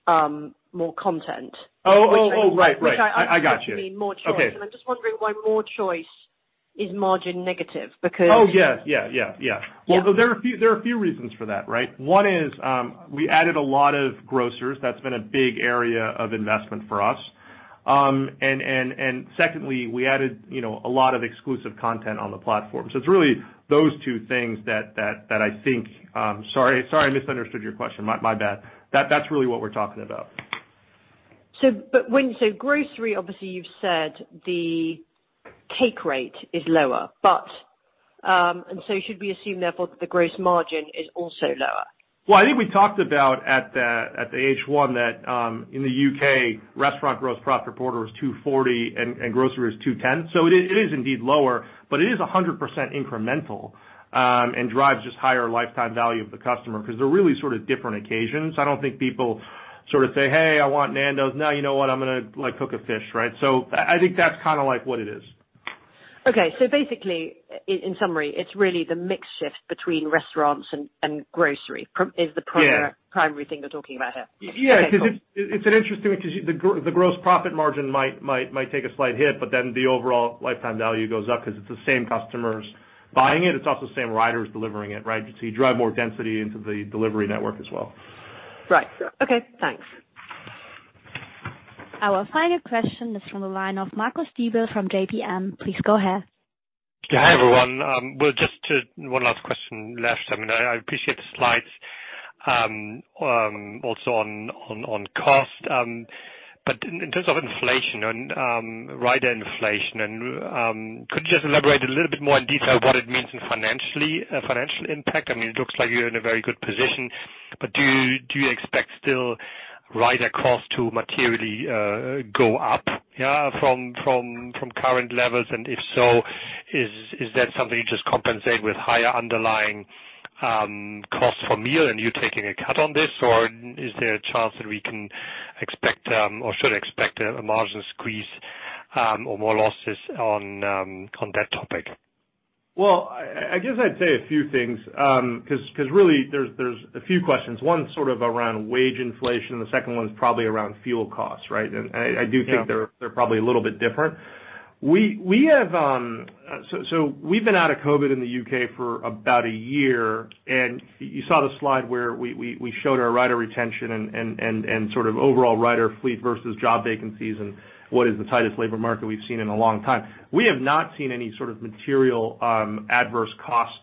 content. Right. I gotcha. Which I understand to mean more choice. Okay. I'm just wondering why more choice is margin negative, because Oh, yeah. Yeah. Well, there are a few reasons for that, right? One is, we added a lot of grocers. That's been a big area of investment for us. And secondly, we added, you know, a lot of exclusive content on the platform. So it's really those two things that I think. Sorry I misunderstood your question. My bad. That's really what we're talking about. Grocery, obviously, you've said the take rate is lower, but, and so should we assume, therefore, that the gross margin is also lower? Well, I think we talked about at the H1 that in the UK, restaurant gross profit per order was 240 and grocery was 210. It is indeed lower, but it is 100% incremental and drives just higher lifetime value of the customer 'cause they're really sort of different occasions. I don't think people sort of say, "Hey, I want Nando's. No, you know what? I'm gonna, like, cook a fish," right? I think that's kinda like what it is. Okay. Basically, in summary, it's really the mix shift between restaurants and grocery. Yeah. The primary thing you're talking about here? Y-yes. Okay, cool. 'Cause it's an interesting one because the gross profit margin might take a slight hit, but then the overall lifetime value goes up because it's the same customers buying it. It's also the same riders delivering it, right? You drive more density into the delivery network as well. Right. Okay, thanks. Our final question is from the line of Marcus Diebel from JPM. Please go ahead. Yeah, hi, everyone. Will, just one last question. I mean, I appreciate the slides also on cost. But in terms of inflation and rider inflation and could you just elaborate a little bit more in detail what it means in financial impact? I mean, it looks like you're in a very good position, but do you expect still rider cost to materially go up, yeah, from current levels? And if so, is that something you just compensate with higher underlying costs from you and you taking a cut on this? Or is there a chance that we can expect or should expect a margin squeeze or more losses on that topic? Well, I guess I'd say a few things, 'cause really there's a few questions. One sort of around wage inflation, the second one is probably around fuel costs, right? I do think- Yeah. They're probably a little bit different. We've been out of COVID in the U.K. for about a year, and you saw the slide where we showed our rider retention and sort of overall rider fleet versus job vacancies and what is the tightest labor market we've seen in a long time. We have not seen any sort of material adverse cost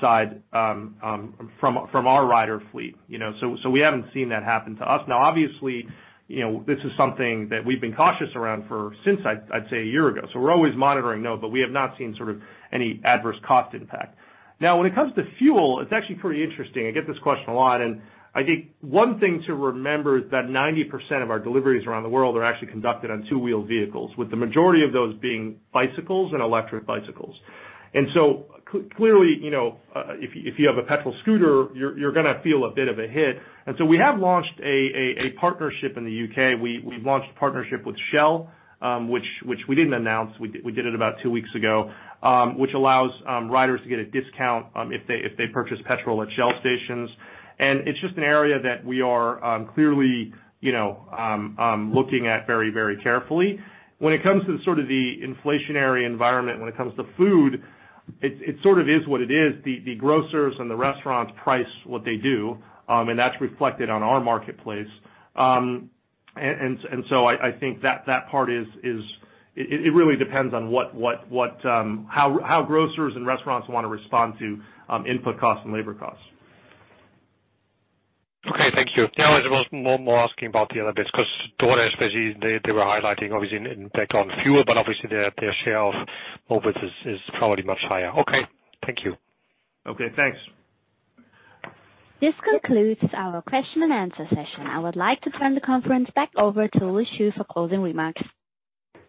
side from our rider fleet, you know. We haven't seen that happen to us. Now, obviously, you know, this is something that we've been cautious around for since I'd say a year ago. We're always monitoring, no, but we have not seen sort of any adverse cost impact. Now, when it comes to fuel, it's actually pretty interesting. I get this question a lot, and I think one thing to remember is that 90% of our deliveries around the world are actually conducted on two-wheeled vehicles, with the majority of those being bicycles and electric bicycles. Clearly, you know, if you have a petrol scooter, you're gonna feel a bit of a hit. We have launched a partnership in the U.K. We've launched a partnership with Shell, which we didn't announce. We did it about two weeks ago, which allows riders to get a discount if they purchase petrol at Shell stations. It's just an area that we are clearly, you know, looking at very carefully. When it comes to sort of the inflationary environment, when it comes to food, it sort of is what it is. The grocers and the restaurants price what they do, and that's reflected on our marketplace. I think it really depends on how grocers and restaurants wanna respond to input costs and labor costs. Okay, thank you. Yeah, I was more asking about the other bits because DoorDash, basically, they were highlighting obviously an impact on fuel, but obviously their share of profits is probably much higher. Okay. Thank you. Okay, thanks. This concludes our question and answer session. I would like to turn the conference back over to Will Shu for closing remarks.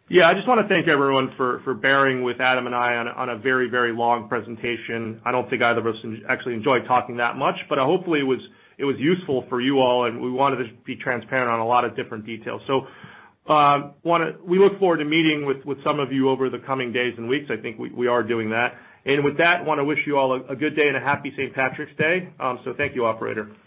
Yeah. I just wanna thank everyone for bearing with Adam and I on a very long presentation. I don't think either of us actually enjoy talking that much, but hopefully it was useful for you all, and we wanted to be transparent on a lot of different details. We look forward to meeting with some of you over the coming days and weeks. I think we are doing that. With that, I wanna wish you all a good day and a happy St. Patrick's Day. Thank you, operator.